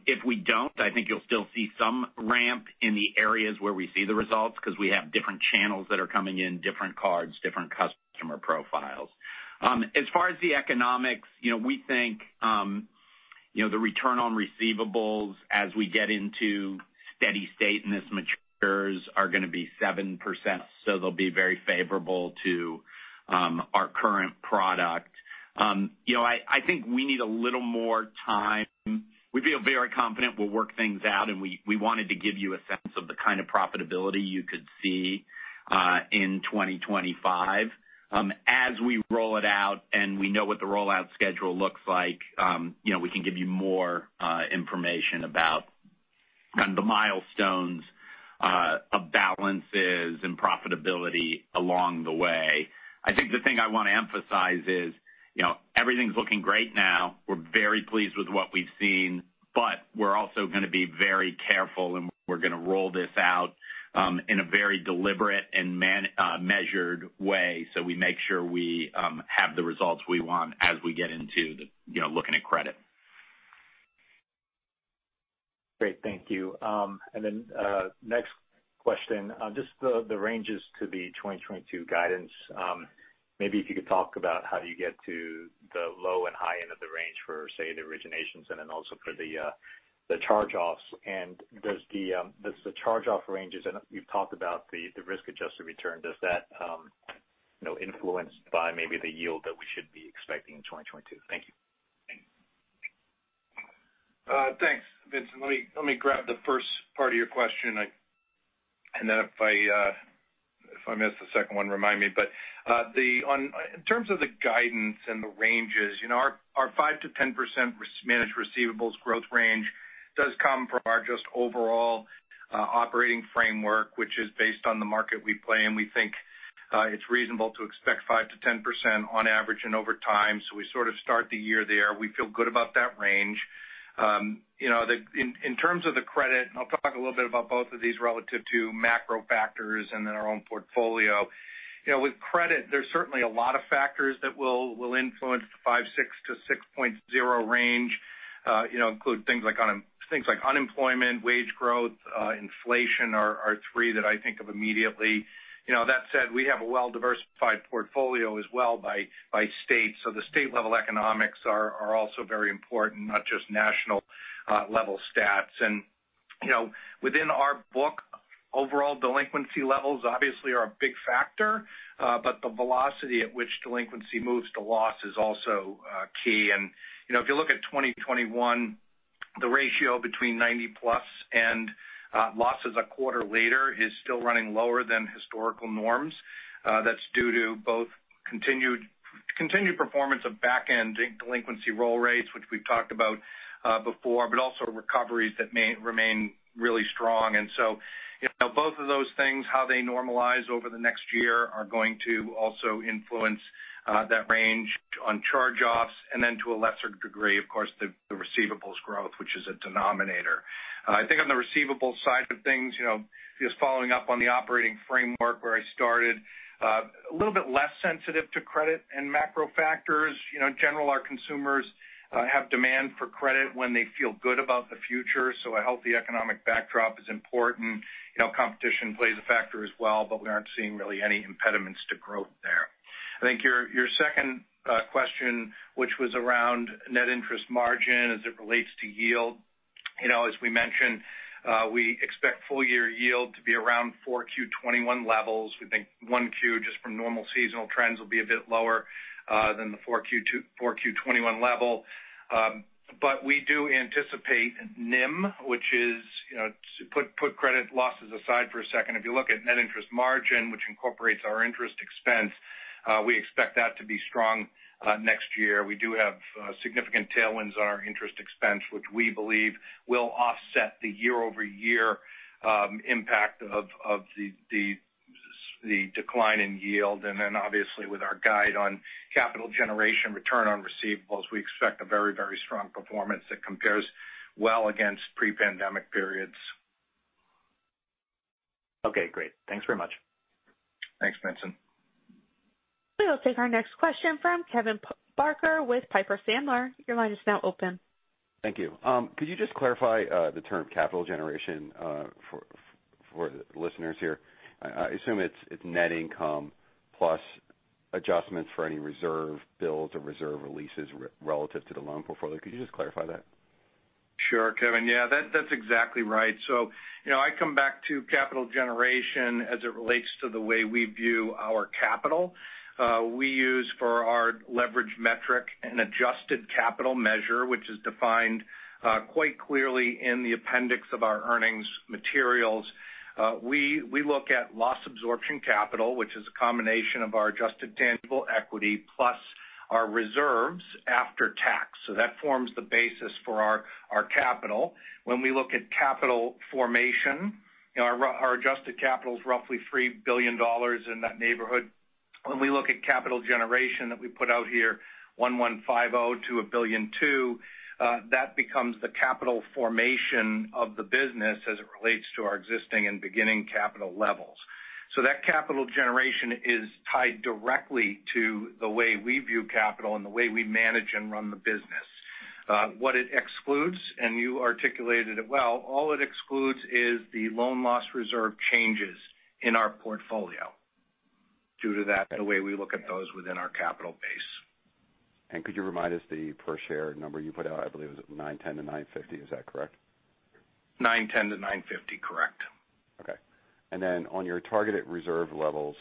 If we don't, I think you'll still see some ramp in the areas where we see the results 'cause we have different channels that are coming in, different cards, different customer profiles. As far as the economics, you know, we think, you know, the return on receivables as we get into steady state and this matures, are gonna be 7%. So, they'll be very favorable to our current product. You know, I think we need a little more time. We feel very confident we'll work things out, and we wanted to give you a sense of the kind of profitability you could see in 2025. As we roll it out and we know what the rollout schedule looks like, you know, we can give you more information about kind of the milestones of balances and profitability along the way. I think the thing I wanna emphasize is, you know, everything's looking great now. We're very pleased with what we've seen, but we're also gonna be very careful, and we're gonna roll this out in a very deliberate and measured way so we make sure we have the results we want as we get into the looking at credit. Great. Thank you. Next question. Just the ranges to the 2022 guidance. Maybe if you could talk about how do you get to the low and high end of the range for, say, the originations and then also for the charge-offs. Does the charge-off ranges, and you've talked about the risk-adjusted return. Does that, you know, influence the yield that we should be expecting in 2022? Thank you. Thanks, Vincent. Let me grab the first part of your question. If I miss the second one, remind me. In terms of the guidance and the ranges, you know, our 5%-10% managed receivables growth range does come from our just overall operating framework, which is based on the market we play, and we think it's reasonable to expect 5%-10% on average and over time. We sort of start the year there. We feel good about that range. You know, in terms of the credit, and I'll talk a little bit about both of these relative to macro factors and then our own portfolio. You know, with credit, there's certainly a lot of factors that will influence the 5.6%-6.0% range, you know, include things like unemployment, wage growth, inflation are three that I think of immediately. You know, that said, we have a well-diversified portfolio as well by state. So, the state-level economics are also very important, not just national level stats. You know, within our book, overall delinquency levels obviously are a big factor, but the velocity at which delinquency moves to loss is also key. You know, if you look at 2021, the ratio between 90+ and losses a quarter later is still running lower than historical norms. That's due to both continued performance of back-end delinquency roll rates, which we've talked about before, but also recoveries that may remain really strong. You know, both of those things, how they normalize over the next year are going to also influence that range on charge-offs, and then to a lesser degree, of course, the receivables growth, which is a denominator. I think on the receivables side of things, you know, just following up on the operating framework where I started, a little bit less sensitive to credit and macro factors. You know, in general, our consumers have demand for credit when they feel good about the future, so a healthy economic backdrop is important. You know, competition plays a factor as well, but we aren't seeing really any impediments to growth there. I think your second question, which was around net interest margin as it relates to yield. You know, as we mentioned, we expect full year yield to be around 4Q 2021 levels. We think 1Q just from normal seasonal trends will be a bit lower than the 4Q 2021 level. We do anticipate NIM, which is, you know, to put credit losses aside for a second. If you look at net interest margin, which incorporates our interest expense, we expect that to be strong next year. We do have significant tailwinds on our interest expense, which we believe will offset the year-over-year impact of the decline in yield. Obviously with our guide on capital generation return on receivables, we expect a very, very strong performance that compares well against pre-pandemic periods. Okay, great. Thanks very much. Thanks, Vincent. We will take our next question from Kevin Barker with Piper Sandler. Your line is now open. Thank you. Could you just clarify the term capital generation for the listeners here? I assume it's net income plus adjustments for any reserve builds or reserve releases relative to the loan portfolio. Could you just clarify that? Sure, Kevin. Yeah, that's exactly right. You know, I come back to capital generation as it relates to the way we view our capital. We use for our leverage metric an adjusted capital measure, which is defined quite clearly in the appendix of our earnings materials. We look at loss absorption capital, which is a combination of our adjusted tangible equity plus our reserves after tax. That forms the basis for our capital. When we look at capital formation, our adjusted capital is roughly $3 billion in that neighborhood. When we look at capital generation that we put out here, $1.15 billion-$1.2 billion, that becomes the capital formation of the business as it relates to our existing and beginning capital levels. That capital generation is tied directly to the way we view capital and the way we manage and run the business. What it excludes, and you articulated it well, all it excludes is the loan loss reserve changes in our portfolio due to that and the way we look at those within our capital base. Could you remind us the per share number you put out? I believe it was $9.10-$9.50. Is that correct? $9.10-$9.50. Correct. Okay. Then on your targeted reserve levels,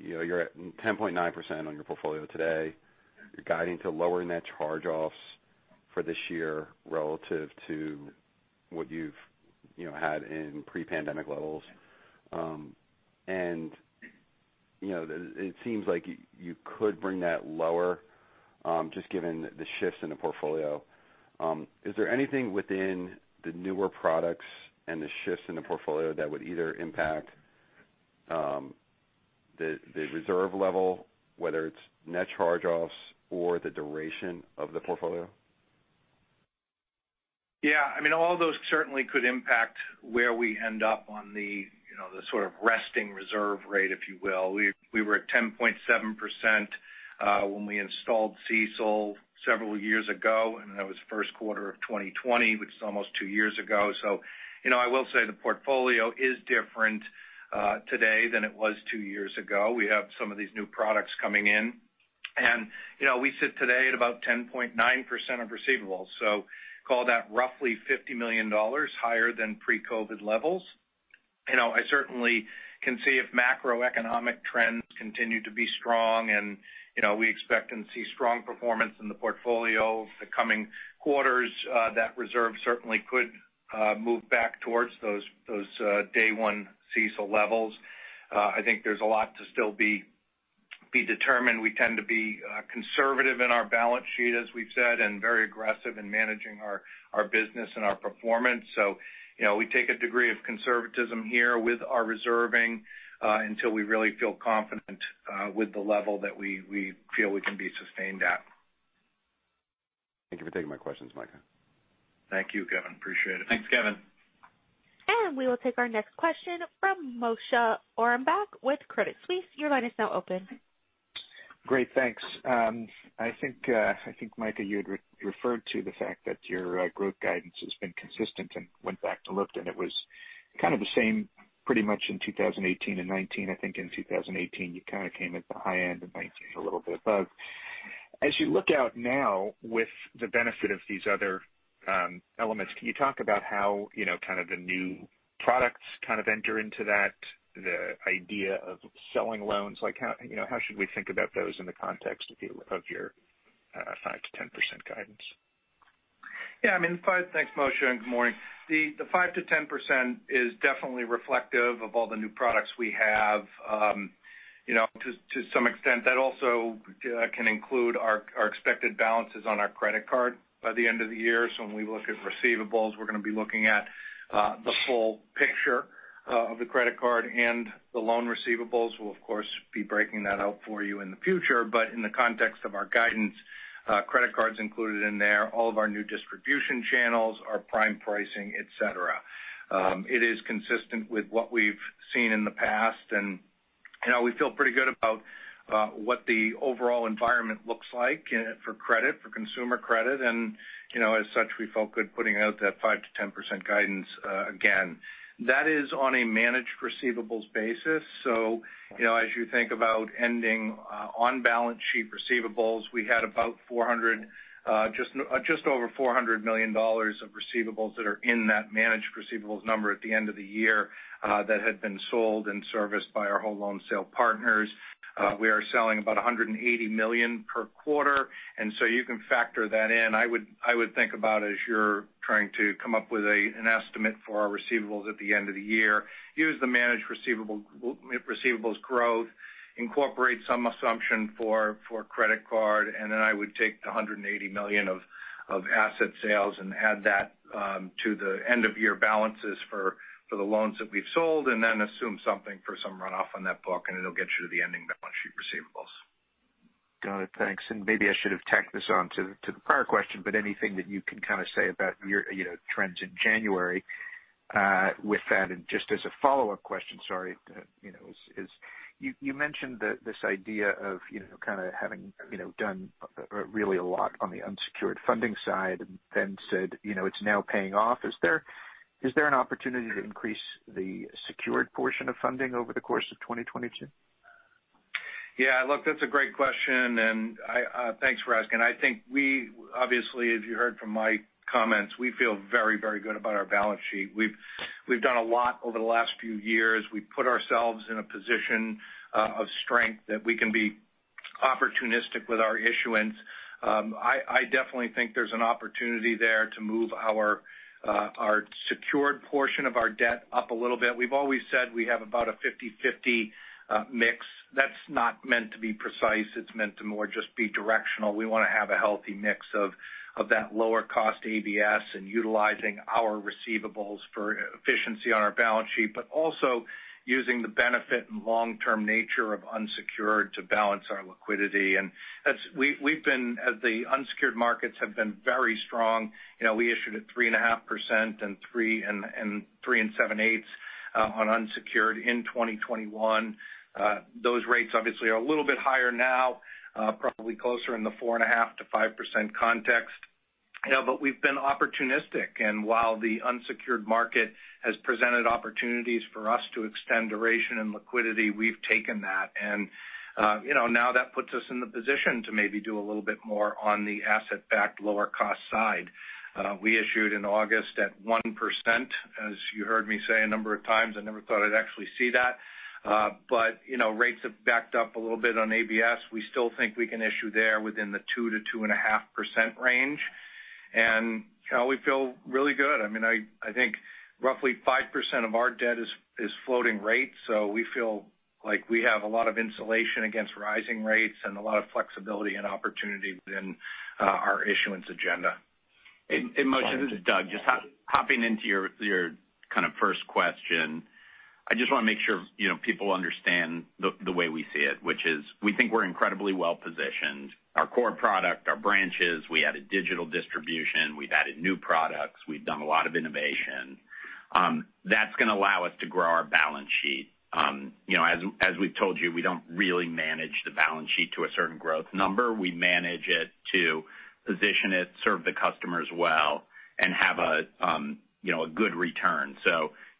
you know, you're at 10.9% on your portfolio today. You're guiding to lower net charge-offs for this year relative to what you've, you know, had in pre-pandemic levels. You know, it seems like you could bring that lower, just given the shifts in the portfolio. Is there anything within the newer products and the shifts in the portfolio that would either impact the reserve level, whether it's net charge-offs or the duration of the portfolio? Yeah, I mean, all those certainly could impact where we end up on the, you know, the sort of resting reserve rate, if you will. We were at 10.7% when we installed CECL several years ago, and that was first quarter of 2020, which is almost two years ago. You know, I will say the portfolio is different today than it was two years ago. We have some of these new products coming in. You know, we sit today at about 10.9% of receivables. Call that roughly $50 million higher than pre-COVID levels. You know, I certainly can see if macroeconomic trends continue to be strong. You know, we expect and see strong performance in the portfolio the coming quarters, that reserve certainly could move back towards those day one CECL levels. I think there's a lot to still be determined. We tend to be conservative in our balance sheet, as we've said, and very aggressive in managing our business and our performance. You know, we take a degree of conservatism here with our reserving, until we really feel confident with the level that we feel we can be sustained at. Thank you for taking my questions, Micah. Thank you, Kevin. Appreciate it. Thanks, Kevin. We will take our next question from Moshe Orenbuch with Credit Suisse. Your line is now open. Great, thanks. I think Micah, you had referred to the fact that your growth guidance has been consistent and went back to look, and it was kind of the same pretty much in 2018 and 2019. I think in 2018, you kind of came at the high end, in 2019 a little bit above. As you look out now with the benefit of these other elements, can you talk about how, you know, kind of the new products kind of enter into that? The idea of selling loans, like how, you know, how should we think about those in the context of your 5%-10% guidance? Yeah, I mean, thanks Moshe, and good morning. The 5%-10% is definitely reflective of all the new products we have. You know, to some extent, that also can include our expected balances on our credit card by the end of the year. So, when we look at receivables, we're going to be looking at the full picture of the credit card, and the loan receivables. We'll of course be breaking that out for you in the future. In the context of our guidance, credit card is included in there, all of our new distribution channels, our prime pricing, et cetera. It is consistent with what we've seen in the past. You know, we feel pretty good about what the overall environment looks like for credit, for consumer credit. You know, as such, we felt good putting out that 5%-10% guidance, again. That is on a managed receivables basis. You know, as you think about ending on balance sheet receivables, we had about $400, just over $400 million of receivables that are in that managed receivables number at the end of the year, that had been sold and serviced by our whole loan sale partners. We are selling about $180 million per quarter, and so you can factor that in. I would think about as you're trying to come up with an estimate for our receivables at the end of the year. Use the managed receivables growth, incorporate some assumption for credit card, and then I would take the $180 million of asset sales and add that to the end of year balances for the loans that we've sold, and then assume something for some runoff on that book, and it'll get you to the ending balance sheet receivables. Got it, thanks. Maybe I should have tacked this on to the prior question, but anything that you can kind of say about your, you know, trends in January with that? Just as a follow-up question, sorry, you know, as you mentioned this idea of, you know, kind of having, you know, done really a lot on the unsecured funding side and then said, you know, it's now paying off. Is there an opportunity to increase the secured portion of funding over the course of 2022? Yeah, look, that's a great question, and I, thanks for asking. I think we obviously, as you heard from my comments, we feel very, very good about our balance sheet. We've done a lot over the last few years. We've put ourselves in a position of strength that we can be opportunistic with our issuance. I definitely think there's an opportunity there to move our secured portion of our debt up a little bit. We've always said we have about a 50/50 mix. That's not meant to be precise. It's meant to more just be directional. We wanna have a healthy mix of that lower cost ABS and utilizing our receivables for efficiency on our balance sheet, but also using the benefit and long-term nature of unsecured to balance our liquidity. As the unsecured markets have been very strong, you know, we issued at 3.5% and 3.875% on unsecured in 2021. Those rates obviously are a little bit higher now, probably closer in the 4.5%-5% context. You know, but we've been opportunistic. Now that puts us in the position to maybe do a little bit more on the asset-backed, lower cost side. We issued in August at 1%. As you heard me say a number of times, I never thought I'd actually see that. But, you know, rates have backed up a little bit on ABS. We still think we can issue there within the 2%-2.5% range. You know, we feel really good. I mean, I think roughly 5% of our debt is floating rates, so we feel like we have a lot of insulation against rising rates and a lot of flexibility and opportunity within our issuance agenda. Moshe, this is Doug. Just hopping into your kind of first question. I just wanna make sure, you know, people understand the way we see it, which is we think we're incredibly well-positioned. Our core product, our branches, we added digital distribution, we've added new products, we've done a lot of innovation. That's gonna allow us to grow our balance sheet. You know, as we've told you, we don't really manage the balance sheet to a certain growth number. We manage it to position it, serve the customers well, and have a good return.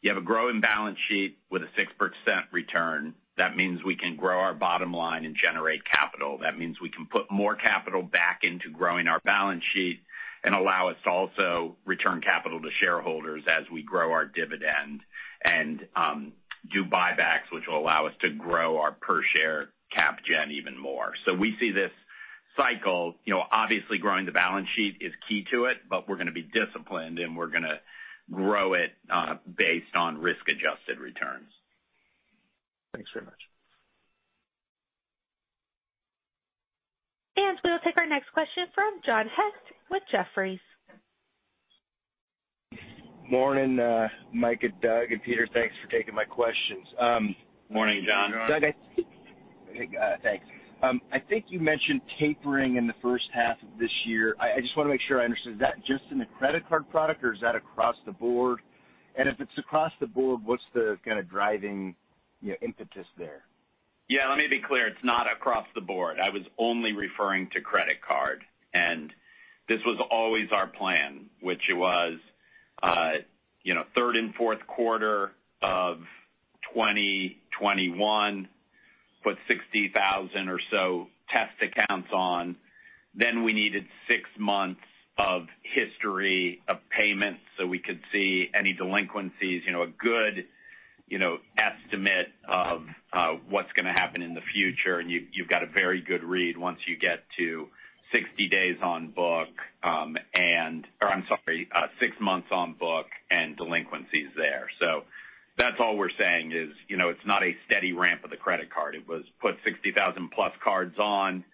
You have a growing balance sheet with a 6% return. That means we can grow our bottom line and generate capital. That means we can put more capital back into growing our balance sheet and allow us to also return capital to shareholders as we grow our dividend and do buybacks, which will allow us to grow our per share capital generation even more. We see this cycle. You know, obviously growing the balance sheet is key to it, but we're gonna be disciplined, and we're gonna grow it based on risk-adjusted returns. Thanks very much. We'll take our next question from John Hecht with Jefferies. Morning, Micah and Doug and Peter. Thanks for taking my questions. Morning, John. Morning, John. Doug, okay, thanks. I think you mentioned tapering in the first half of this year. I just wanna make sure I understand. Is that just in the credit card product, or is that across the board? If it's across the board, what's the kinda driving, you know, impetus there? Yeah, let me be clear. It's not across the board. I was only referring to credit card. This was always our plan, which was, you know, third and fourth quarter of 2021, put 60,000 or so test accounts on, then we needed six months of history of payment, so we could see any delinquencies, you know, a good, you know, estimate of, what's gonna happen in the future. You've got a very good read once you get to six months on book and delinquencies there. That's all we're saying is, you know, it's not a steady ramp of the credit card. It was put 60,000 plus cards on,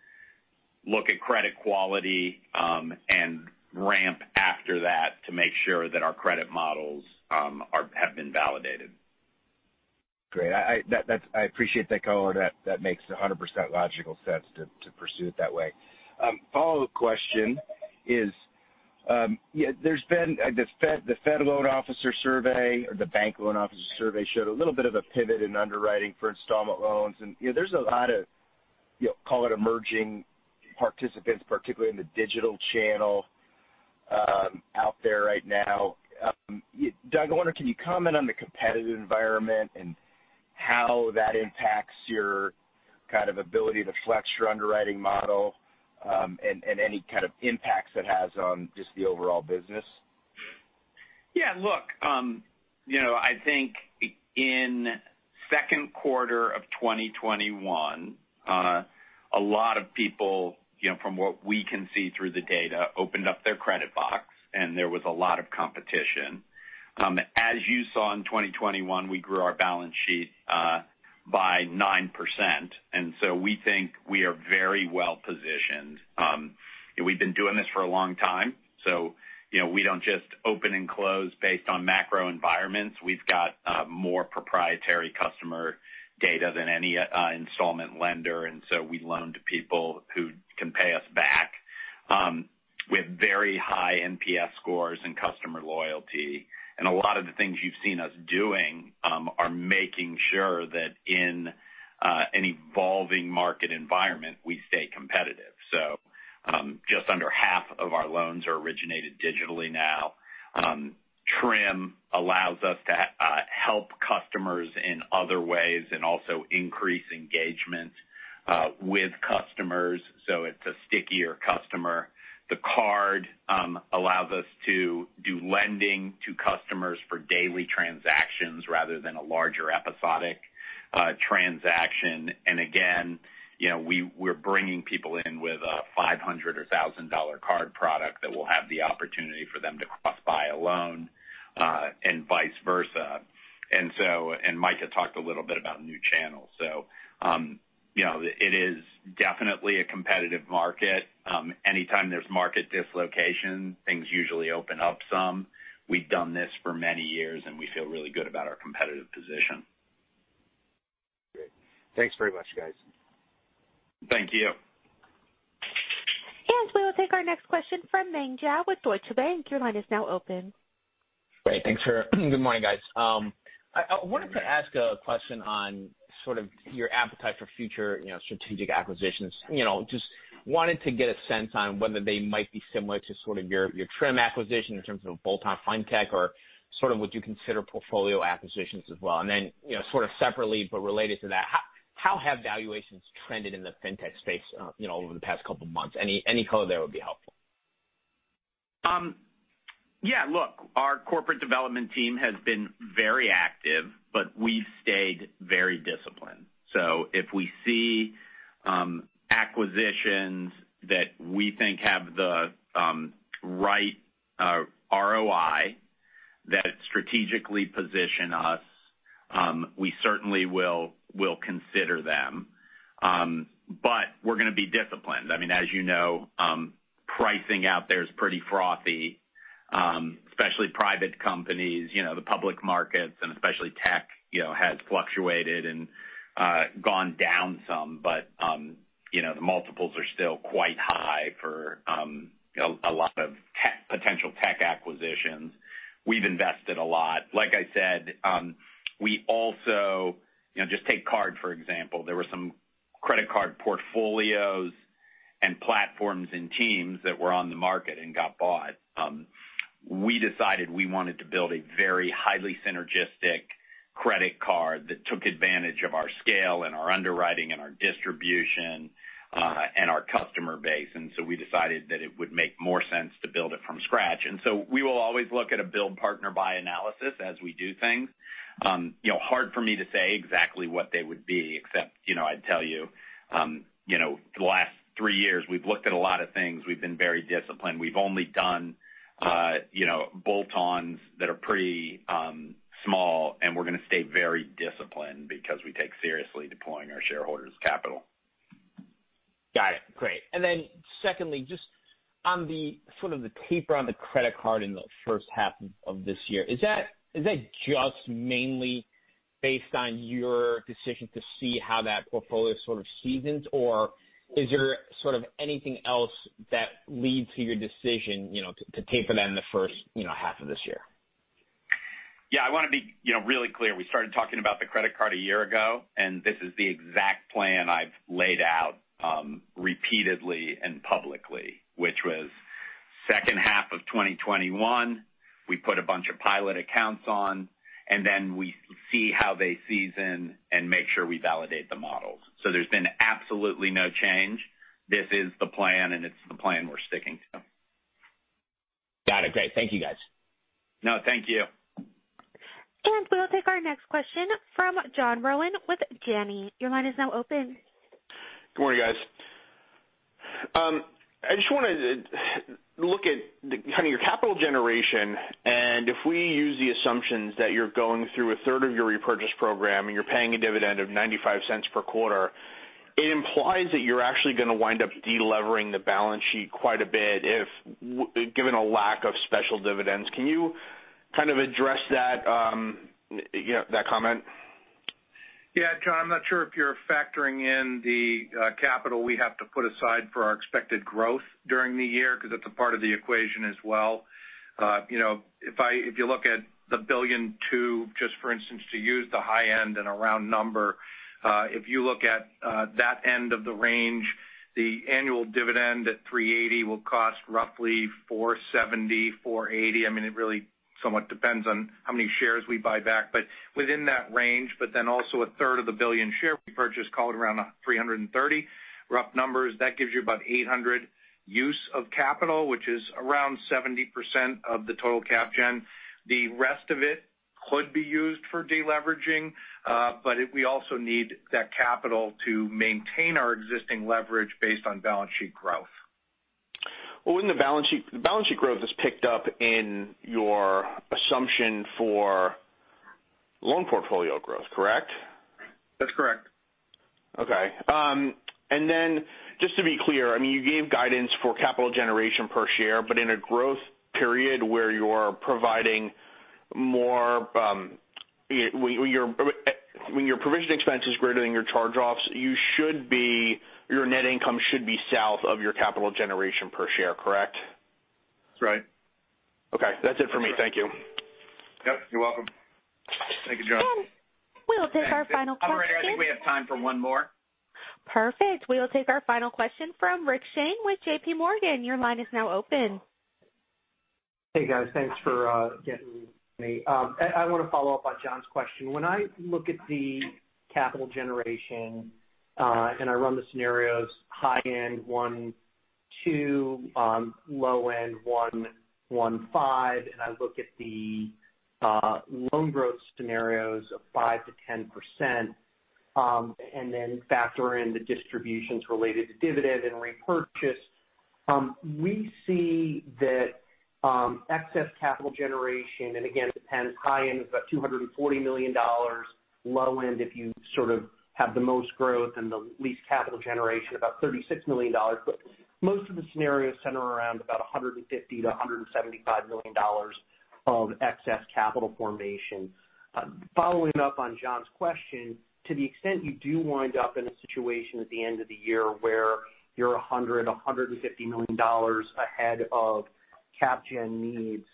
look at credit quality, and ramp after that to make sure that our credit models have been validated. Great. I appreciate that color. That makes 100% logical sense to pursue it that way. Follow-up question is, the Fed Senior Loan Officer Survey or the bank Senior Loan Officer Survey showed a little bit of a pivot in underwriting for installment loans. There's a lot of call it emerging participants, particularly in the digital channel, out there right now. Doug, I wonder, can you comment on the competitive environment and how that impacts your kind of ability to flex your underwriting model, and any kind of impacts it has on just the overall business? Yeah, look, you know, I think in second quarter of 2021, a lot of people, you know, from what we can see through the data, opened up their credit box, and there was a lot of competition. As you saw in 2021, we grew our balance sheet by 9%. We think we are very well-positioned. We've been doing this for a long time, so, you know, we don't just open and close based on macro environments. We've got more proprietary customer data than any installment lender, and so we loan to people who can pay us back. We have very high NPS scores and customer loyalty, and a lot of the things you've seen us doing are making sure that in an evolving market environment, we stay competitive. Just under half of our loans are originated digitally now. Trim allows us to help customers in other ways and also increase engagement with customers, so it's a stickier customer. The card allows us to do lending to customers for daily transactions rather than a larger episodic transaction. Again, you know, we're bringing people in with a $500 or $1,000 card product that will have the opportunity for them to cross-buy a loan and vice versa. Mike had talked a little bit about new channels. You know, it is definitely a competitive market. Anytime there's market dislocation, things usually open up some. We've done this for many years, and we feel really good about our competitive position. Great. Thanks very much, guys. Thank you. We will take our next question from Meng Jiao with Deutsche Bank. Your line is now open. Great. Thanks. Good morning, guys. I wanted to ask a question on sort of your appetite for future, you know, strategic acquisitions. You know, just wanted to get a sense on whether they might be similar to sort of your Trim acquisition in terms of a bolt-on fintech or sort of would you consider portfolio acquisitions as well. You know, sort of separately but related to that, how have valuations trended in the fintech space, you know, over the past couple of months? Any color there would be helpful. Yeah, look, our corporate development team has been very active, but we've stayed very disciplined. If we see acquisitions that we think have the right ROI that strategically position us, we certainly will consider them. We're gonna be disciplined. I mean, as you know, pricing out there is pretty frothy, especially private companies. You know, the public markets and especially tech, you know, has fluctuated and gone down some. You know, the multiples are still quite high for a lot of potential tech acquisitions. We've invested a lot. Like I said, we also, you know, just take card, for example. There were some credit card portfolios and platforms and teams that were on the market and got bought. We decided we wanted to build a very highly synergistic credit card that took advantage of our scale and our underwriting and our distribution, and our customer base. We decided that it would make more sense to build it from scratch. We will always look at a build, partner, buy analysis as we do things. You know, hard for me to say exactly what they would be, except, you know, I'd tell you know, the last three years we've looked at a lot of things. We've been very disciplined. We've only done, you know, bolt-ons that are pretty small, and we're gonna stay very disciplined because we take seriously deploying our shareholders' capital. Got it. Great. Then secondly, just on the sort of the taper on the credit card in the first half of this year, is that just mainly based on your decision to see how that portfolio sort of seasons? Or is there sort of anything else that leads to your decision, you know, to taper that in the first, you know, half of this year? Yeah. I wanna be, you know, really clear. We started talking about the credit card a year ago, and this is the exact plan I've laid out repeatedly and publicly, which was second half of 2021, we put a bunch of pilot accounts on, and then we see how they season and make sure we validate the models. There's been absolutely no change. This is the plan, and it's the plan we're sticking to. Got it. Great. Thank you, guys. No, thank you. We'll take our next question from John Rowan with Janney. Your line is now open. Good morning, guys. I just wanted to look at the kind of your capital generation, and if we use the assumptions that you're going through a third of your repurchase program and you're paying a dividend of $0.95 per quarter, it implies that you're actually gonna wind up delevering the balance sheet quite a bit if given a lack of special dividends. Can you kind of address that comment? Yeah. John, I'm not sure if you're factoring in the capital we have to put aside for our expected growth during the year because that's a part of the equation as well. You know, if you look at the $1.2 billion, just for instance, to use the high end and a round number, if you look at that end of the range, the annual dividend at $3.80 will cost roughly $4.70-$4.80. I mean, it really somewhat depends on how many shares we buy back, but within that range. Then also a third of the $1 billion share repurchase call it around $330 million, rough numbers. That gives you about $800 million use of capital, which is around 70% of the total capital generation. The rest of it could be used for de-leveraging, but we also need that capital to maintain our existing leverage based on balance sheet growth. Well, wouldn't the balance sheet growth is picked up in your assumption for loan portfolio growth, correct? That's correct. Okay. Just to be clear, I mean, you gave guidance for capital generation per share, but in a growth period where you are providing more, when your provision expense is greater than your charge-offs, your net income should be south of your capital generation per share, correct? That's right. Okay. That's it for me. Thank you. Yep, you're welcome. Thank you, John. We will take our final question. Operator, I think we have time for one more. Perfect. We will take our final question from Rick Shane with JPMorgan. Your line is now open. Hey guys, thanks for getting me. I wanna follow up on John's question. When I look at the capital generation and I run the scenarios high end 12%, low end 11.5%, and I look at the loan growth scenarios of 5%-10%, and then factor in the distributions related to dividend and repurchase, we see that excess capital generation, and again, depends, high end is about $240 million. Low end, if you sort of have the most growth and the least capital generation, about $36 million. Most of the scenarios center around about $150 million-$175 million of excess capital formation. Following up on John's question, to the extent you do wind up in a situation at the end of the year where you're $100 million-$150 million ahead of capital generation needs,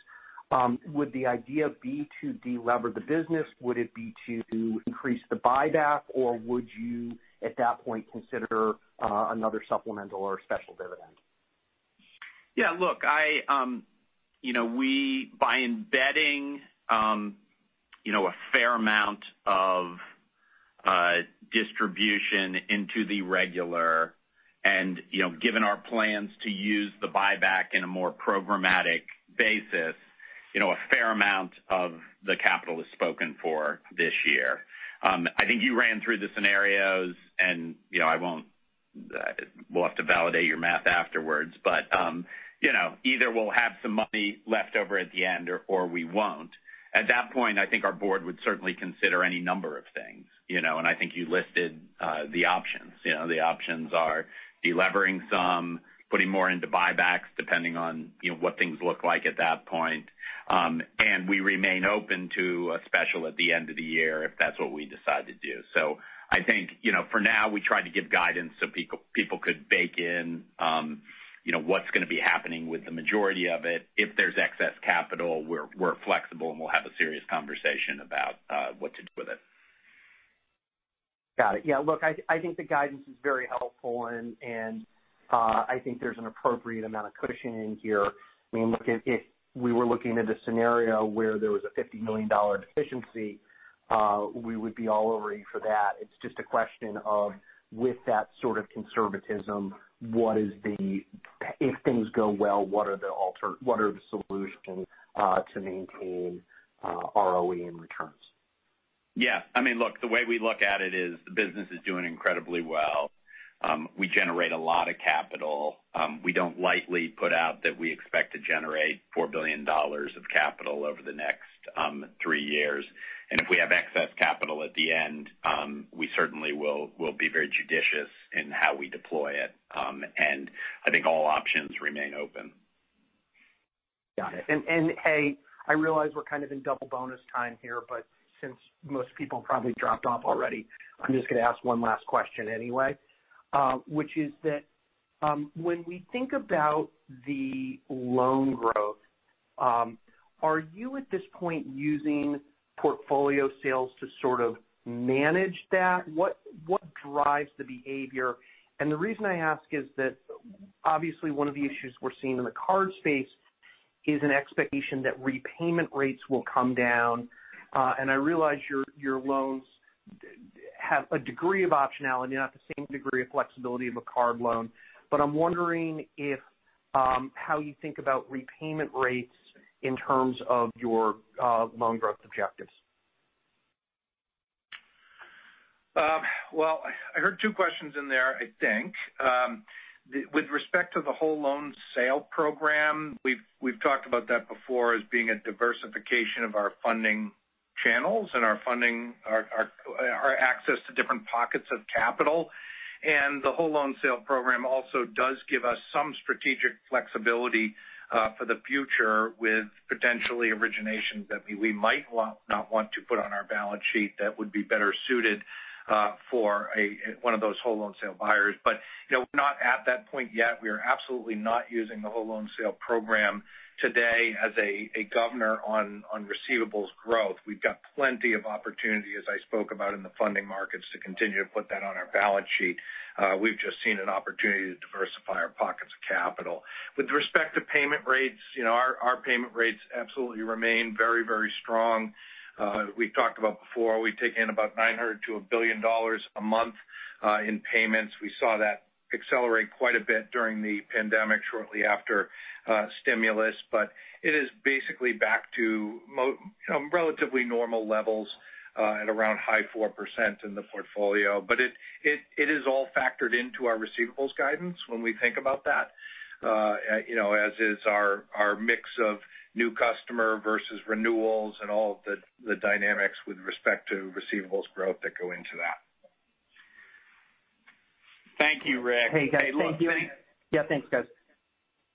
would the idea be to delever the business? Would it be to increase the buyback, or would you, at that point, consider another supplemental or special dividend? Yeah, look, you know, by embedding you know a fair amount of distribution into the regular and, you know, given our plans to use the buyback in a more programmatic basis, you know, a fair amount of the capital is spoken for this year. I think you ran through the scenarios and, you know, we'll have to validate your math afterwards, but, you know, either we'll have some money left over at the end or we won't. At that point, I think our board would certainly consider any number of things, you know, and I think you listed the options. You know, the options are delevering some, putting more into buybacks, depending on, you know, what things look like at that point. We remain open to a special at the end of the year if that's what we decide to do. I think, you know, for now we try to give guidance so people could bake in, you know, what's gonna be happening with the majority of it. If there's excess capital, we're flexible, and we'll have a serious conversation about what to do with it. Got it. Yeah, look, I think the guidance is very helpful and I think there's an appropriate amount of cushioning here. I mean, look, if we were looking at a scenario where there was a $50 million deficiency, we would be all over you for that. It's just a question of, with that sort of conservatism, if things go well, what are the solutions to maintain ROE and returns? Yeah. I mean, look, the way we look at it is the business is doing incredibly well. We generate a lot of capital. We don't lightly put out that we expect to generate $4 billion of capital over the next three years. If we have excess capital at the end, we certainly will be very judicious in how we deploy it. I think all options remain open. Got it. Hey, I realize we're kind of in double bonus time here, but since most people probably dropped off already, I'm just gonna ask one last question anyway, which is that when we think about the loan growth, are you at this point using portfolio sales to sort of manage that? What drives the behavior? The reason I ask is that obviously one of the issues we're seeing in the card space is an expectation that repayment rates will come down. I realize your loans have a degree of optionality, not the same degree of flexibility of a card loan, but I'm wondering if how you think about repayment rates in terms of your loan growth objectives. Well, I heard two questions in there, I think. With respect to the whole loan sale program, we've talked about that before as being a diversification of our funding channels and our funding, our access to different pockets of capital. The whole loan sale program also does give us some strategic flexibility for the future with potentially originations that we might not want to put on our balance sheet that would be better suited for one of those whole loan sale buyers. You know, we're not at that point yet. We are absolutely not using the whole loan sale program today as a governor on receivables growth. We've got plenty of opportunity, as I spoke about in the funding markets, to continue to put that on our balance sheet. We've just seen an opportunity to diversify our pockets of capital. With respect to payment rates, you know, our payment rates absolutely remain very, very strong. We've talked about before, we take in about $900 million-$1 billion a month in payments. We saw that accelerate quite a bit during the pandemic shortly after stimulus. It is basically back to relatively normal levels at around high 4% in the portfolio. It is all factored into our receivables guidance when we think about that, you know, as is our mix of new customer versus renewals and all of the dynamics with respect to receivables growth that go into that. Thank you, Rick. Hey, guys. Thank you. Look, thanks. Yeah, thanks, guys.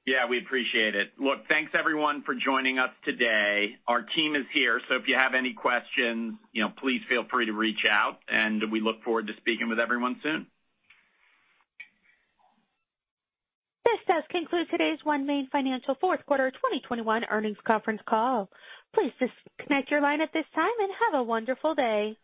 Yeah, we appreciate it. Look, thanks everyone for joining us today. Our team is here, so if you have any questions, you know, please feel free to reach out, and we look forward to speaking with everyone soon. This does conclude today's OneMain Financial fourth quarter 2021 earnings conference call. Please disconnect your line at this time and have a wonderful day.